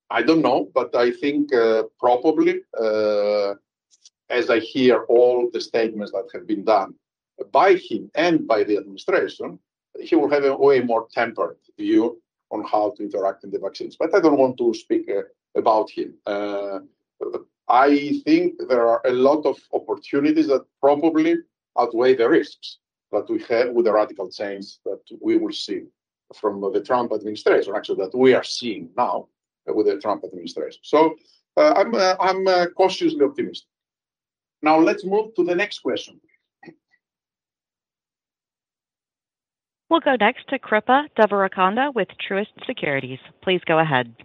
I don't know. But I think probably as I hear all the statements that have been done by him and by the administration, he will have a way more tempered view on how to interact in the vaccines. But I don't want to speak about him. I think there are a lot of opportunities that probably outweigh the risks that we have with the radical change that we will see from the Trump administration, actually that we are seeing now with the Trump administration. So I'm cautiously optimistic. Now let's move to the next question. We'll go next to Kripa Devarakonda with Truist Securities. Please go ahead.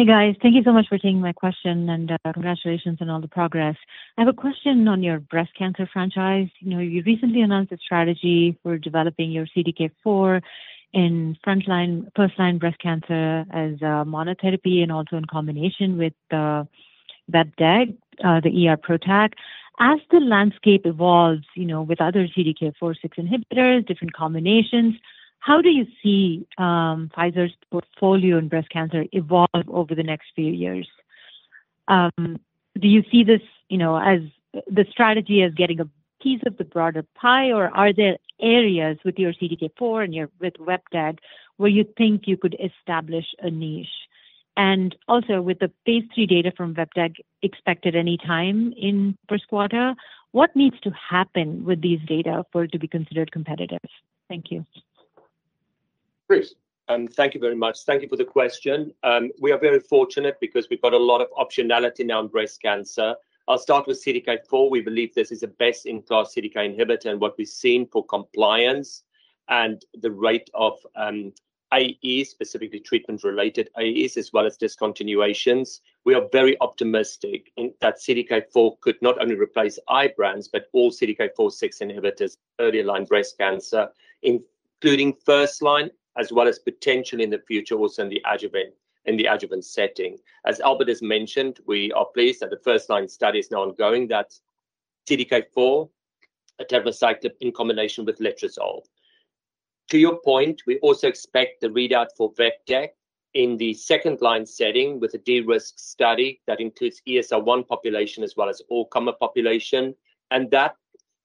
Hey guys, thank you so much for taking my question and congratulations on all the progress. I have a question on your breast cancer franchise. You know you recently announced a strategy for developing your CDK4 in frontline first-line breast cancer as monotherapy and also in combination with vepdegestrant, the ER PROTAC. As the landscape evolves, you know, with other CDK4/6 inhibitors, different combinations. How do you see Pfizer's portfolio in breast cancer evolve over the next few years? Do you see this, you know, as the strategy as getting a piece of the broader pie or are there areas with your CDK4 and your vepdegestrant where you think you could establish a niche? And also, with the phase III data from VERITAC expected anytime in first quarter, what needs to happen with these data for it to be considered competitive? Thank you, Chris. Thank you very much. Thank you for the question. We are very fortunate because we've got a lot of optionality now in breast cancer. I'll start with CDK4. We believe this is the best in class CDK inhibitor and what we've seen for compliance and the rate of AEs, specifically treatment related AEs as well as discontinuations. We are very optimistic that CDK4 could not only replace Ibrance but all CDK4/6 inhibitors in early line breast cancer including first line as well as potentially in the future also in the adjuvant setting. As Albert has mentioned. We are pleased that the first line study is now ongoing of atirmociclib in combination with letrozole. To your point, we also expect the readout for vepdegestrant in the second-line setting with a DE risk study that includes ESR1 population as well as all-comer population, and that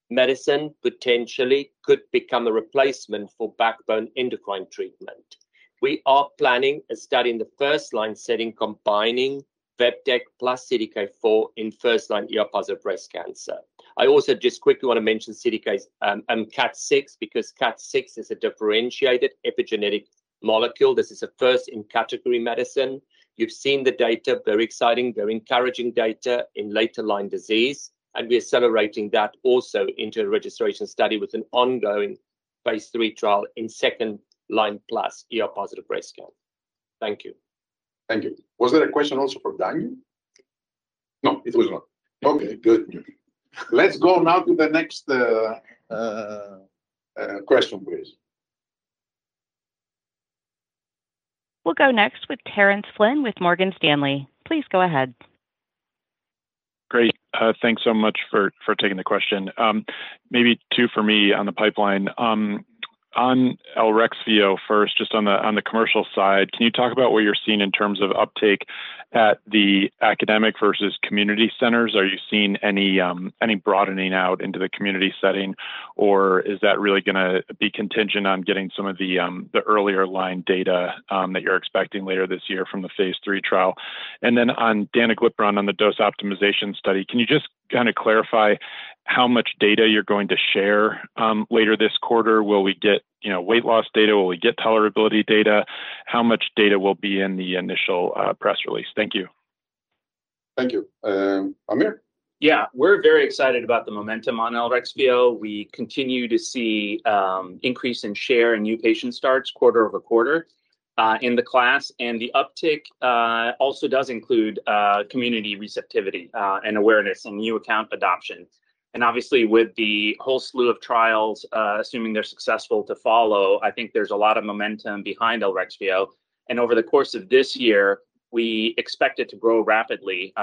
medicine potentially could become a replacement for backbone endocrine treatment. We are planning a study in the first-line setting combining vepdegestrant + CDK4 in first-line ER-positive breast cancer. I also just quickly want to mention KAT6 because KAT6. KAT6 is a differentiated epigenetic molecule. This is a first-in-category medicine. You've seen the data, very exciting, very encouraging data in later-line disease, and we're accelerating that also into a registration study with an ongoing phase three trial in second-line plus ER-positive breast cancer. Thank you. Thank you. Was there a question also for Danuglipron? No, it was wrong. Okay, good. Go now to the next question please. We'll go next with Terrence Flynn with Morgan Stanley. Please go ahead. Great. Thanks so much for taking the question. Maybe two for me on the pipeline on Elrexfio. First, just on the commercial side, can you talk about what you're seeing in terms of uptake at the academic versus community centers? Are you seeing any broadening out into the community setting? Or is that really going to be contingent on getting some of the earlier line data that you're expecting later this year from the phase III trial and then on Danuglipron on the dose optimization study? Can you just kind of clarify how much data you're going to share later this quarter? Will we get weight loss data? Will we get tolerability data? How much data will be in the initial press release? Thank you. Thank you, Amir. Yeah, we're very excited about the momentum on Elrexfio. We continue to see increase in share and new patient starts quarter over quarter in the class and the uptick also does include community receptivity and awareness and new account adoption, and obviously with the whole slew of trials, assuming they're successful to follow, I think there's a lot of momentum behind Elrexfio and over the course of this year we expect it to grow rapidly,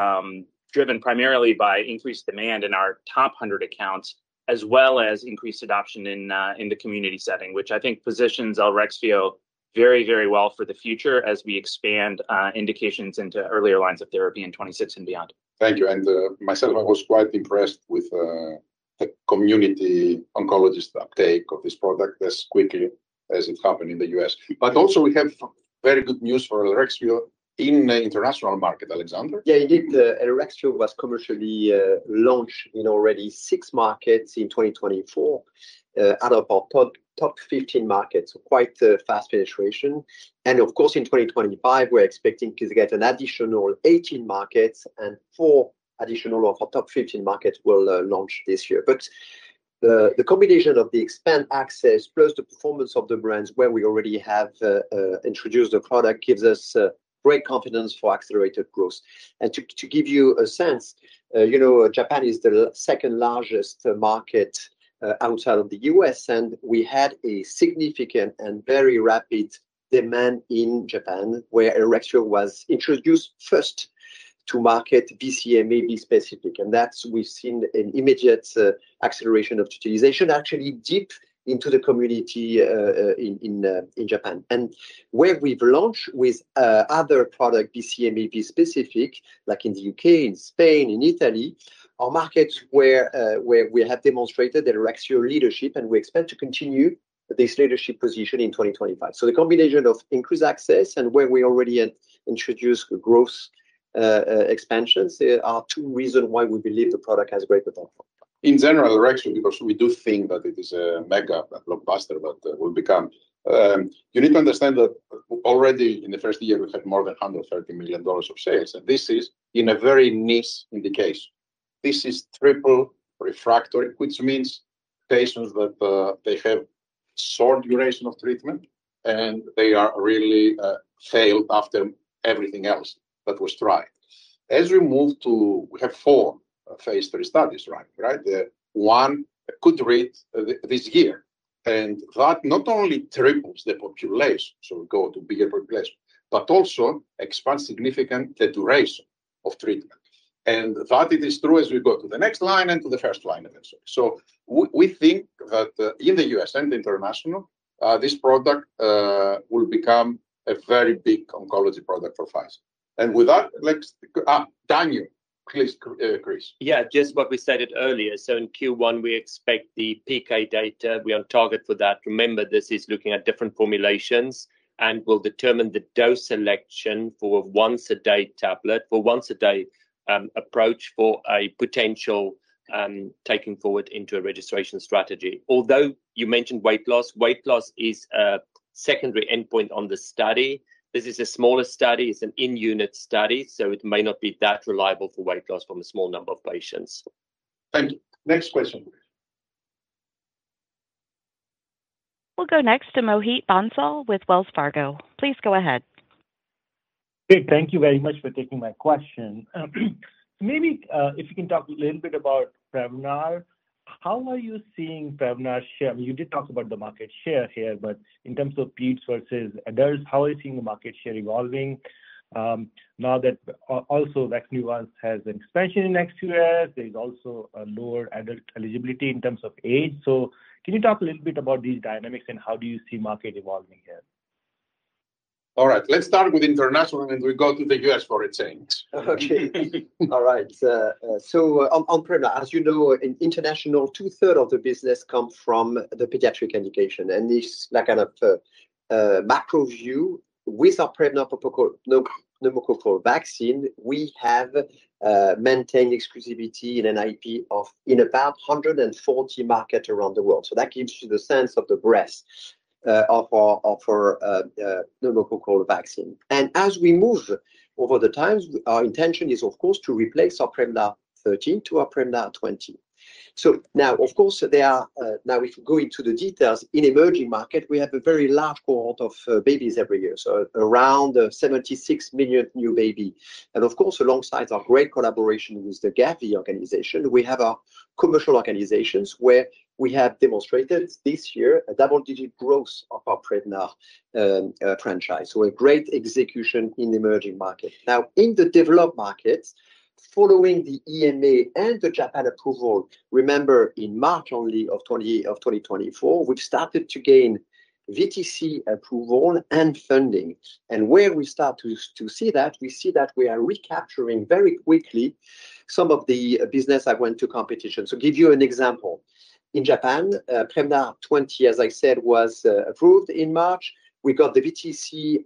driven primarily by increased demand in our top 100 accounts as well as increased adoption in the community setting which I think positions Elrexfio very, very well for the future as we expand indications into earlier lines of therapy in 2026 and beyond. Thank you. And myself I was quite impressed with the community oncologist uptake of this product as quickly as it happened in the U.S. but also we have very good news for Elrexfio in international market. Alexandre? Yeah, indeed. Elrexfio was commercially launched in already six markets in 2024 out of our top 15 markets quite fast penetration. And of course in 2025 we're expecting to get an additional 18 markets and four additional of our top 15 markets will launch this year. But the combination of the expanded access plus the performance of the brand where we already have introduced the product gives us great confidence for accelerated growth. And to give you a sense, you know, Japan is the second largest market outside of the U.S. and we had a significant and very rapid demand in Japan where Elrexfio was introduced first to market BCMA-specific and that's. We've seen an immediate acceleration of utilization actually deep into the community in Japan and where we've launched with other product BCMA specific like in the U.K., in Spain, in Italy are markets where we have demonstrated our Elrexfio leadership and we expect to continue this leadership position in 2025. So the combination of increased access and where we already introduce growth expansions. There are two reasons why we believe. The product has greater in general direction because we do think that it is a mega blockbuster but will become. You need to understand that already in the first year we had more than $130 million of sales, and this is in a very niche indication. This is triple refractory, which means patients that they have short duration of the treatment and they are really failed after everything else that was tried. As we move to, we have four phase III studies. Right? Right. One could read this year, and that not only triples the population, so go to bigger population, but also expands significantly the duration of treatment, and that it is true as we go to the next line and to the first line eventually, so we think that in the U.S. and international this product will become a very big oncology product for Pfizer, and with that. Daniel, please. Chris. Yeah, just what we stated earlier. So in Q1 we expect the PK data. We're on target for that. Remember, this is looking at different formulations and will determine the dose selection for once a day tablet, for once a day approach for a potential taking forward into a registration strategy. Although you mentioned weight loss. Weight loss is a secondary endpoint on the study. This is a smaller study, it's an in unit study. So it may not be that reliable for weight loss from a small number of patients. Thank you. Next question. We'll go next to Mohit Bansal with Wells Fargo. Please go ahead. Great. Thank you very much for taking my question. Maybe if you can talk a little bit about PREVNAR. How are you seeing PREVNAR share? You did talk about the market share here, but in terms of PCVs versus others, how are you seeing the market share evolving now that also Vaxneuvance has an expansion in the U.S. There is also a lower adult eligibility in terms of age. So can you talk a little bit about these dynamics and how do you see market evolving here? All right, let's start with international and we go to the U.S. for a change. Okay. All right. So on PREVNAR, as you know, in International two-thirds of the business come from the pediatric indication and this kind of macro view. With our PREVNAR pneumococcal vaccine, we have maintained exclusivity in an IP in about 140 markets around the world. So that gives you the sense of the breadth of our local vaccine. And as we move over the times, our intention is of course to replace our PREVNAR 13 to our PREVNAR 20. So now of course they are. Now if we go into the details in emerging markets, we have a very large cohort of babies every year, so around 76 million new babies. And of course alongside our great collaboration with the Gavi organization, we have our commercial organizations where we have demonstrated this year a double-digit growth of our PREVNAR franchise. So a great execution in the emerging markets. Now in the developed markets following the EMA and the Japan approval, remember in March of 2024, we've started to gain VTC approval and funding, and where we start to see that, we see that we are recapturing very quickly some of the business that went to competition. To give you an example, in Japan, PREVNAR 20 as I said was approved in March. We got the VTC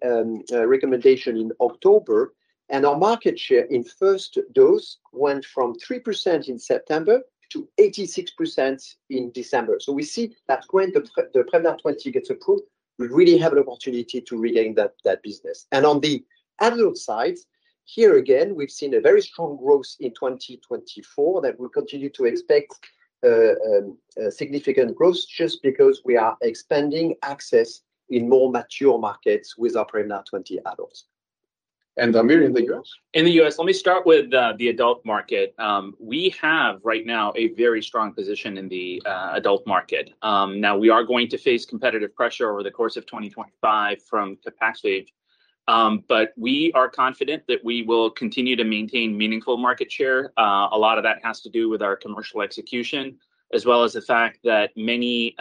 recommendation in October and our market share in first dose went from 3% in September to 86% in December, so we see that when the PREVNAR 20 gets approved we really have an opportunity to regain that business, and on the adult side here again we've seen a very strong growth in 2024 that will continue to expect significant growth just because we are expanding access in more mature markets with our PREVNAR. 20 adults and Amir in the U.S. In the U.S., let me start with the adult market. We have right now a very strong position in the adult market. Now we are going to face competitive, competitive pressure over the course of 2025 from capacity, but we are confident that we will continue to maintain meaningful market share. A lot of that has to do with our commercial execution as well as the fact that many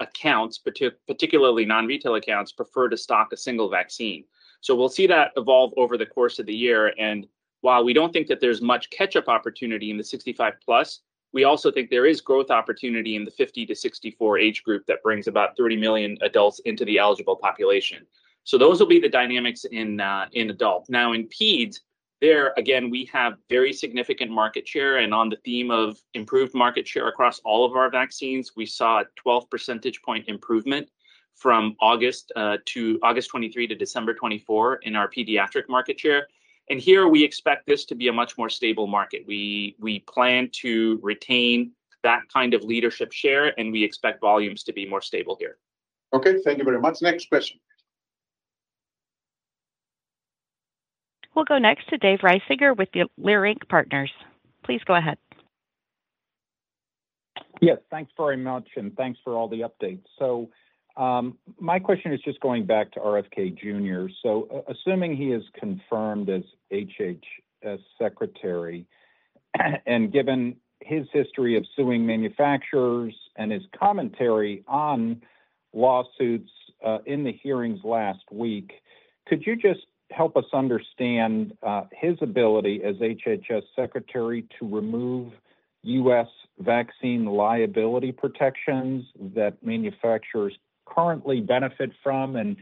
accounts, particularly non-retail accounts, prefer to stock a single vaccine. So we'll see that evolve over the course of the year. And while we don't think that there's much catch up opportunity in the 65 plus, we also think there is growth opportunity in the 50 to 64 age group that brings about 30 million adults into the eligible population. So those will be the dynamics in adult. Now in peds there again we have very significant market share. On the theme of improved market share across all of our vaccines, we saw a 12 percentage point improvement from August 23rd to December 24th in our pediatric market share. Here we expect this to be a much more stable market. We plan to retain that kind of leadership share and we expect volumes to be more stable here. Okay, thank you very much. Next question. We'll go next to Dave Reisinger with the Leerink Partners. Please go ahead. Yes, thanks very much and thanks for all the updates. So my question is just going back to RFK Jr., so assuming he is currently confirmed as HHS secretary and given his history of suing manufacturers and his commentary on lawsuits in the hearings last week, could you just help us understand his ability as HHS secretary to remove U.S. vaccine liability protections that manufacturers currently benefit from and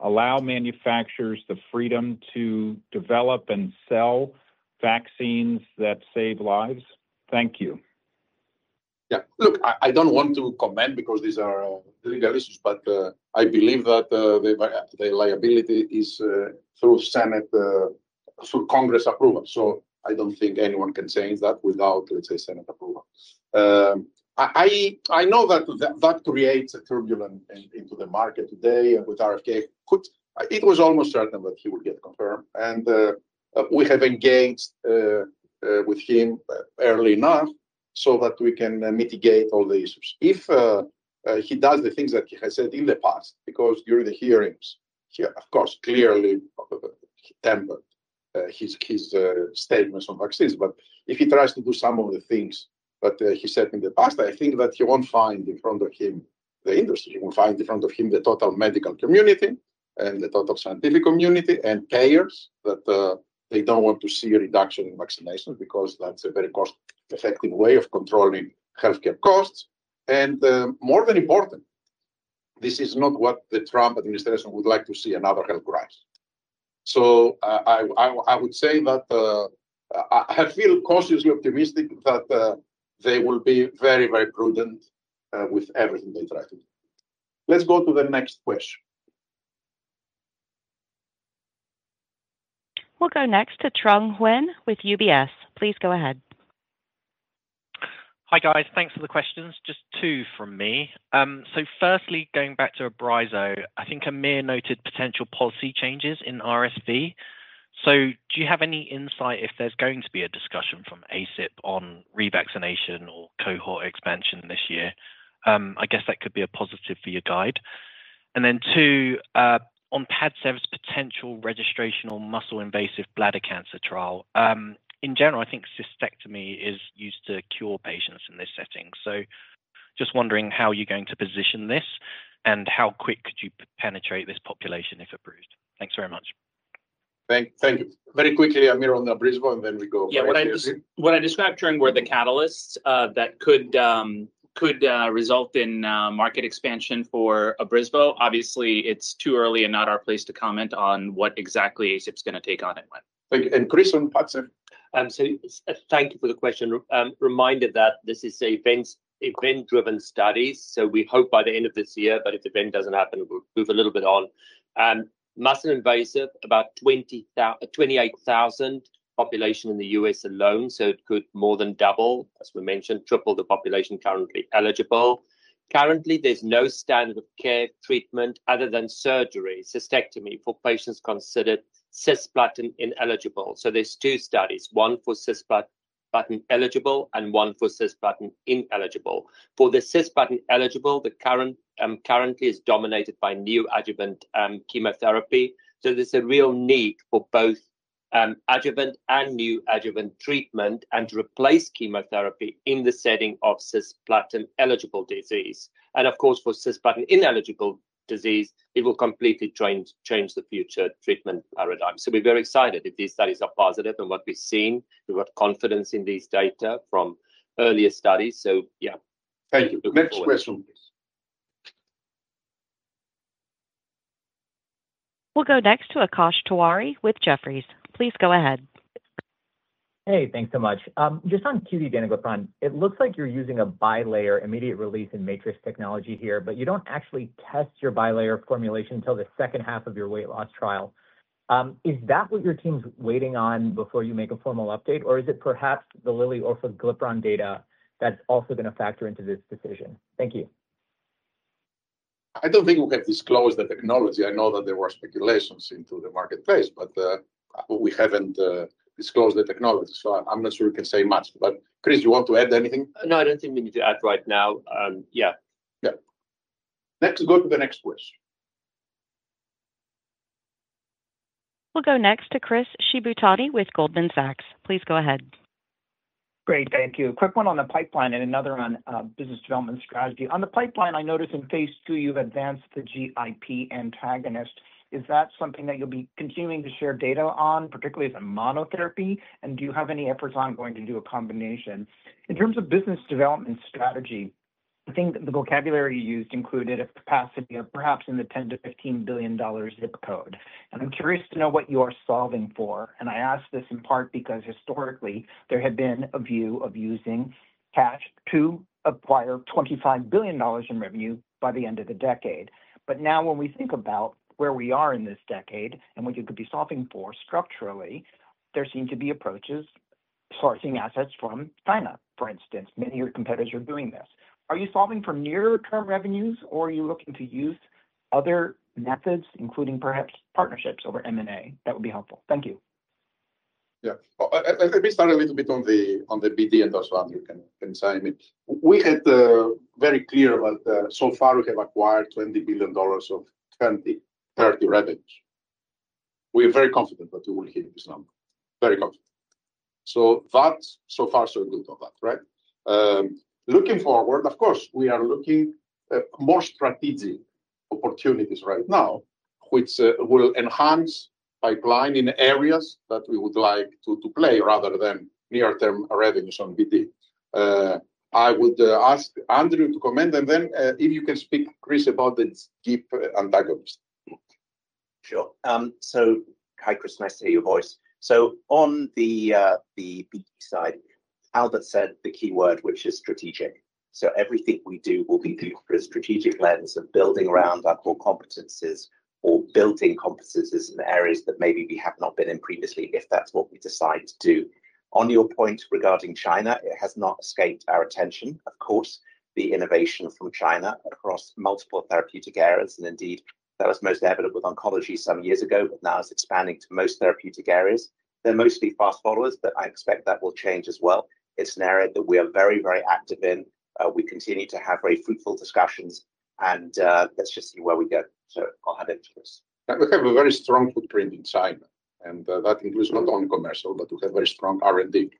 allow manufacturers the freedom to develop and sell vaccines that save lives? Thank you. Yeah, look, I don't want to comment because these are legal issues, but I believe that the liability is through the Senate, through Congress approval. So I don't think anyone can change that without, let's say, Senate approval. I know that that creates turbulence in the market today, and with RFK it was almost certain that he will get confirmed, and we have engaged with him early enough so that we can mitigate all the issues if he does the things that he has said in the past because during the hearings here, of course, he clearly tempered his statements on vaccines. But if he tries to do some of the things that he said in the past, I think that he won't find in front of him the industry. He will find in front of him the total medical community and the total scientific community and payers that they don't want to see a reduction in vaccinations because that's a very cost effective way of controlling healthcare costs. And more than important, this is not what the Trump administration would like to see another health crisis. So I would say that I feel cautiously optimistic that they will be very, very prudent with everything they try to do. Let's go to the next question. We'll go next to Trung Huynh with UBS. Please go ahead. Hi guys, thanks for the questions. Just two from me. So firstly going back to a broader, I think Aamir noted potential policy changes in RSV. So do you have any insight if there's going to be a discussion from ACIP on revaccination or cohort expansion this year? I guess that could be a positive for your guide. And then two on Padcev's potential registration or muscle invasive bladder cancer trial in general I think cystectomy is used to cure patients in this setting. So just wondering how you're going to position this and how quick could you penetrate this population if approved. Thanks very much. Thank you. Very quickly Amir on Abrysvo and then we go. Yeah. What I described to you were the catalysts that could result in market expansion for Abrysvo. Obviously it's too early and not our place to comment on what exactly ACIP's going to take on it when. Thank you for the question. Remember that this is event-driven studies so we hope by the end of this year, but if the event doesn't happen we'll move a little bit on muscle-invasive. About 28,000 population in the U.S. alone so it could more than double as we mentioned, triple the population currently eligible. Currently there's no standard of care treatment other than surgery cystectomy for patients considered cisplatin ineligible. So there's two studies, one for cisplatin eligible and one for cisplatin ineligible for the cisplatin eligible. The current is dominated by neoadjuvant chemotherapy. So there's a real need for both adjuvant and neoadjuvant treatment and to replace chemotherapy in the setting of cisplatin eligible disease, and of course for cisplatin ineligible disease, it will completely change the future treatment paradigm. We're very excited if these studies are positive and what we've seen. We've got confidence in these data from earlier studies. Thank you. Next question please. We'll go next to Akash Tewari with Jefferies. Please go ahead. Hey, thanks so much. Just on danuglipron, it looks like you're using a bilayer immediate release in matrix technology here. But you don't actually test your bilayer formulation until the second half of your weight loss trial. Is that what your team's waiting on before you make a formal update? Or is it perhaps the Eli Lilly orforglipron data that's also going to factor into this decision? Thank you. I don't think we have disclosed the technology. I know that there were speculations into the marketplace, but we haven't disclosed the technology. So, I'm not sure you can say much. But Chris, you want to add anything? No, I don't think we need to add right now. Yeah, yeah. Next, go to the next question. We'll go next to Chris Shibutani with Goldman Sachs. Please go ahead. Great, thank you. Quick one on the pipeline and another on business development strategy. On the pipeline, I noticed in phase two you've advanced the GIP antagonist. Is that something that you'll be continuing to share data on, particularly as a monotherapy? And do you have any efforts ongoing to do a combination in terms of business development strategy? I think the vocabulary used included a capacity of perhaps in the $10 billion-$15 billion zip code. And I'm curious to know what you are solving for. And I ask this in part because historically there had been a view of using cash to acquire $25 billion in revenue by the end of the decade. But now when we think about where we are in this decade and what you could be solving for structurally, there seem to be approaches sourcing assets from China, for instance. Many of your competitors are doing this. Are you solving for near term revenues or are you looking to use other methods, including perhaps partnerships over M and A. That would be helpful, thank you. Yeah. Let me start a little bit on the, on the BD. And also Andrew can. And so I mean we had very clear about so far we have acquired $20 billion of 2030 revenues. We are very confident that we will hit this number. Very confident. So that's so far so good of that. Right. Looking forward, of course we are looking more strategic opportunities right now which will enhance pipeline in areas that we would like to play rather than near term revenues on BT. I would ask Andrew to comment and then if you can speak Chris about the GIP antagonist. Sure. So hi Chris, nice to hear your voice. So on the side, Albert said the key word which is strategic. So everything we do will be a strategic lens of building around our core competencies or building competencies areas that maybe we have not been in previously, if that's what we decide to do. On your point regarding China, it has not escaped our attention, of course, the innovation from China across multiple therapeutic areas and indeed that was most evident with oncology some years ago but now is expanding to most therapeutic areas. They're mostly fast followers but I expect that will change as well. It's an area that we are very, very active in. We continue to have very fruitful discussions and let's just see where we go. So I'll add it to this. We have a very strong footprint in China, and that includes not only commercial but we have very strong R&D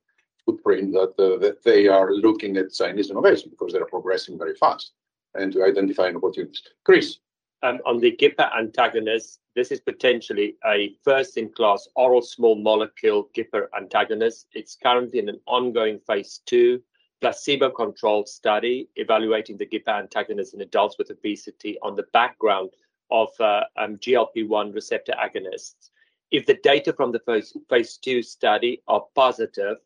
footprint that they are looking at Chinese innovation because they're progressing very fast and to identify opportunities. Chris, on the GIP antagonist, this is potentially a first in class oral small molecule GIP antagonist. It's currently in an ongoing phase 2 placebo controlled study evaluating the GIP antagonist in adults with obesity on the background of GLP-1 receptor agonists. If the data from the phase 2 study are positive,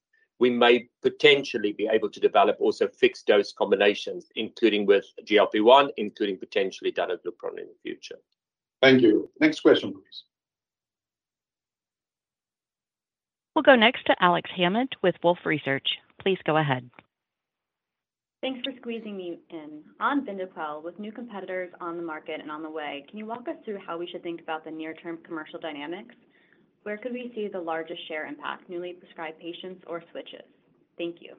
we may potentially be able to develop also fixed dose combinations including with GLP-1, including potentially Danuglipron in the future. Thank you. Next question please. We'll go next to Alex Hammond with Wolfe Research. Please go ahead. Thanks for squeezing me in on Vyndaqel. With new competitors on the market and on the way, can you walk us through how we should think about the near term commercial dynamics? Where could we see the largest share impact newly prescribed patients or switches? Thank you.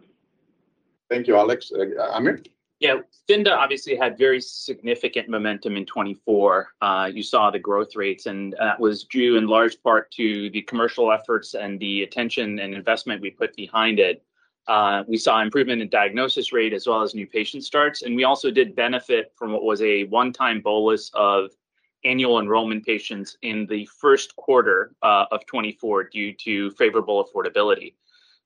Thank you, Alex. Amir. Yeah, Vynda obviously had very significant momentum in 2024. You saw the growth rates and that was due in large part to the commercial efforts and the attention and investment we put behind it. We saw improvement in diagnosis rate as well as new patient starts. And we also did benefit from what was a one-time bolus of annual enrollment patients in 1Q 2024 due to favorable affordability.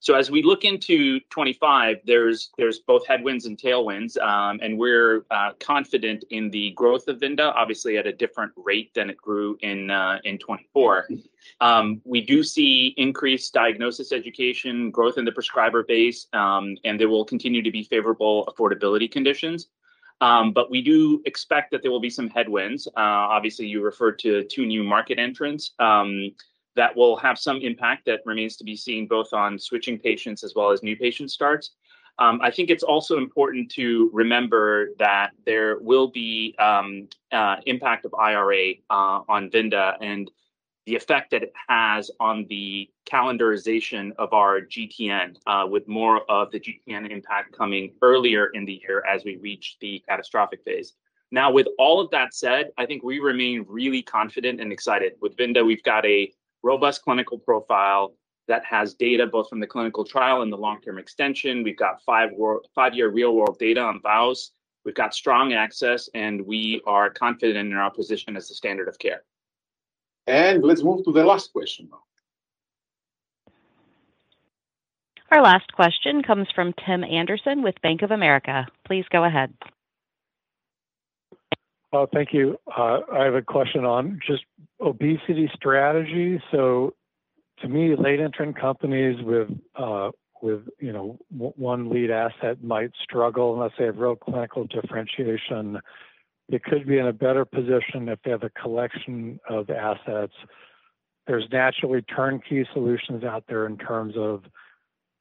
So as we look into 2025, there's both headwinds and tailwinds and we're confident in the growth of Vynda, obviously at a different rate than it grew in 2020. We do see increased diagnosis, education, growth in the prescriber base and there will continue to be favorable affordability conditions, but we do expect that there will be some headwinds. Obviously you referred to two new market entrants that will have some impact. That remains to be seen both on switching patients as well as new patient starts. I think it's also important to remember that there will be impact of IRA on Vyndaqel and the effect that it has on the calendarization of our GTN with more of the GTN impact coming earlier in the year as we reach the catastrophic phase. Now, with all of that said, I think we remain really confident and excited with Vyndaqel. We've got a robust clinical profile that has data both from the clinical trial and the long-term extension. We've got five-year real-world data on Vyndaqel. We've got strong access and we are confident in our position as the standard of care. Let's move to the last question. Our last question comes from Tim Anderson with Bank of America. Please go ahead. Thank you. I have a question on just obesity strategy. So to me, late entrant companies with obesity, you know, one lead asset might struggle unless they have real clinical differentiation. They could be in a better position if they have a collection of assets. There's naturally turnkey solutions out there in terms of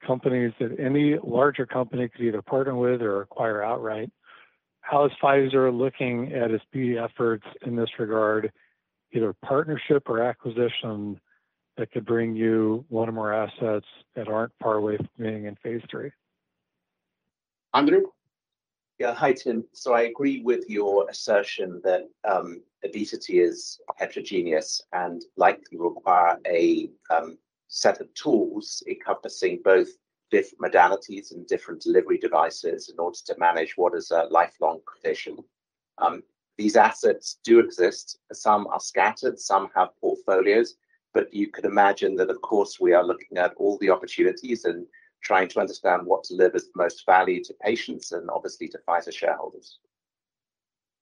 companies that any larger company could either partner with or acquire outright. How is Pfizer looking at its obesity efforts in this regard? Either partnership or acquisition that could bring you one or more assets that aren't far away from being in phase three. Andrew? Yeah. Hi, Tim. So I agree with your assertion that obesity is heterogeneous and likely require a set of tools encompassing both different modalities and different delivery devices in order to manage what is a lifelong causation. These assets do exist. Some are scattered, some have portfolios. But you could imagine that of course, we are looking at all the opportunities and trying to understand what delivers the most value to patients and obviously to Pfizer shareholders.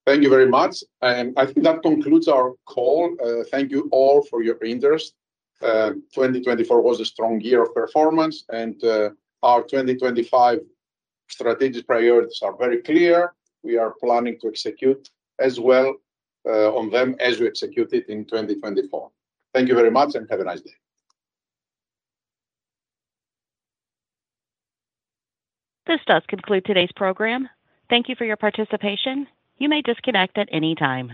Thank you very much. I think that concludes our call. Thank you all for your interest. 2024 was a strong year of performance and our 2025 strategic priorities are very clear. We are planning to execute as well on them as we execute it in 2024. Thank you very much and have a nice day. This does conclude today's program. Thank you for your participation. You may disconnect at any time.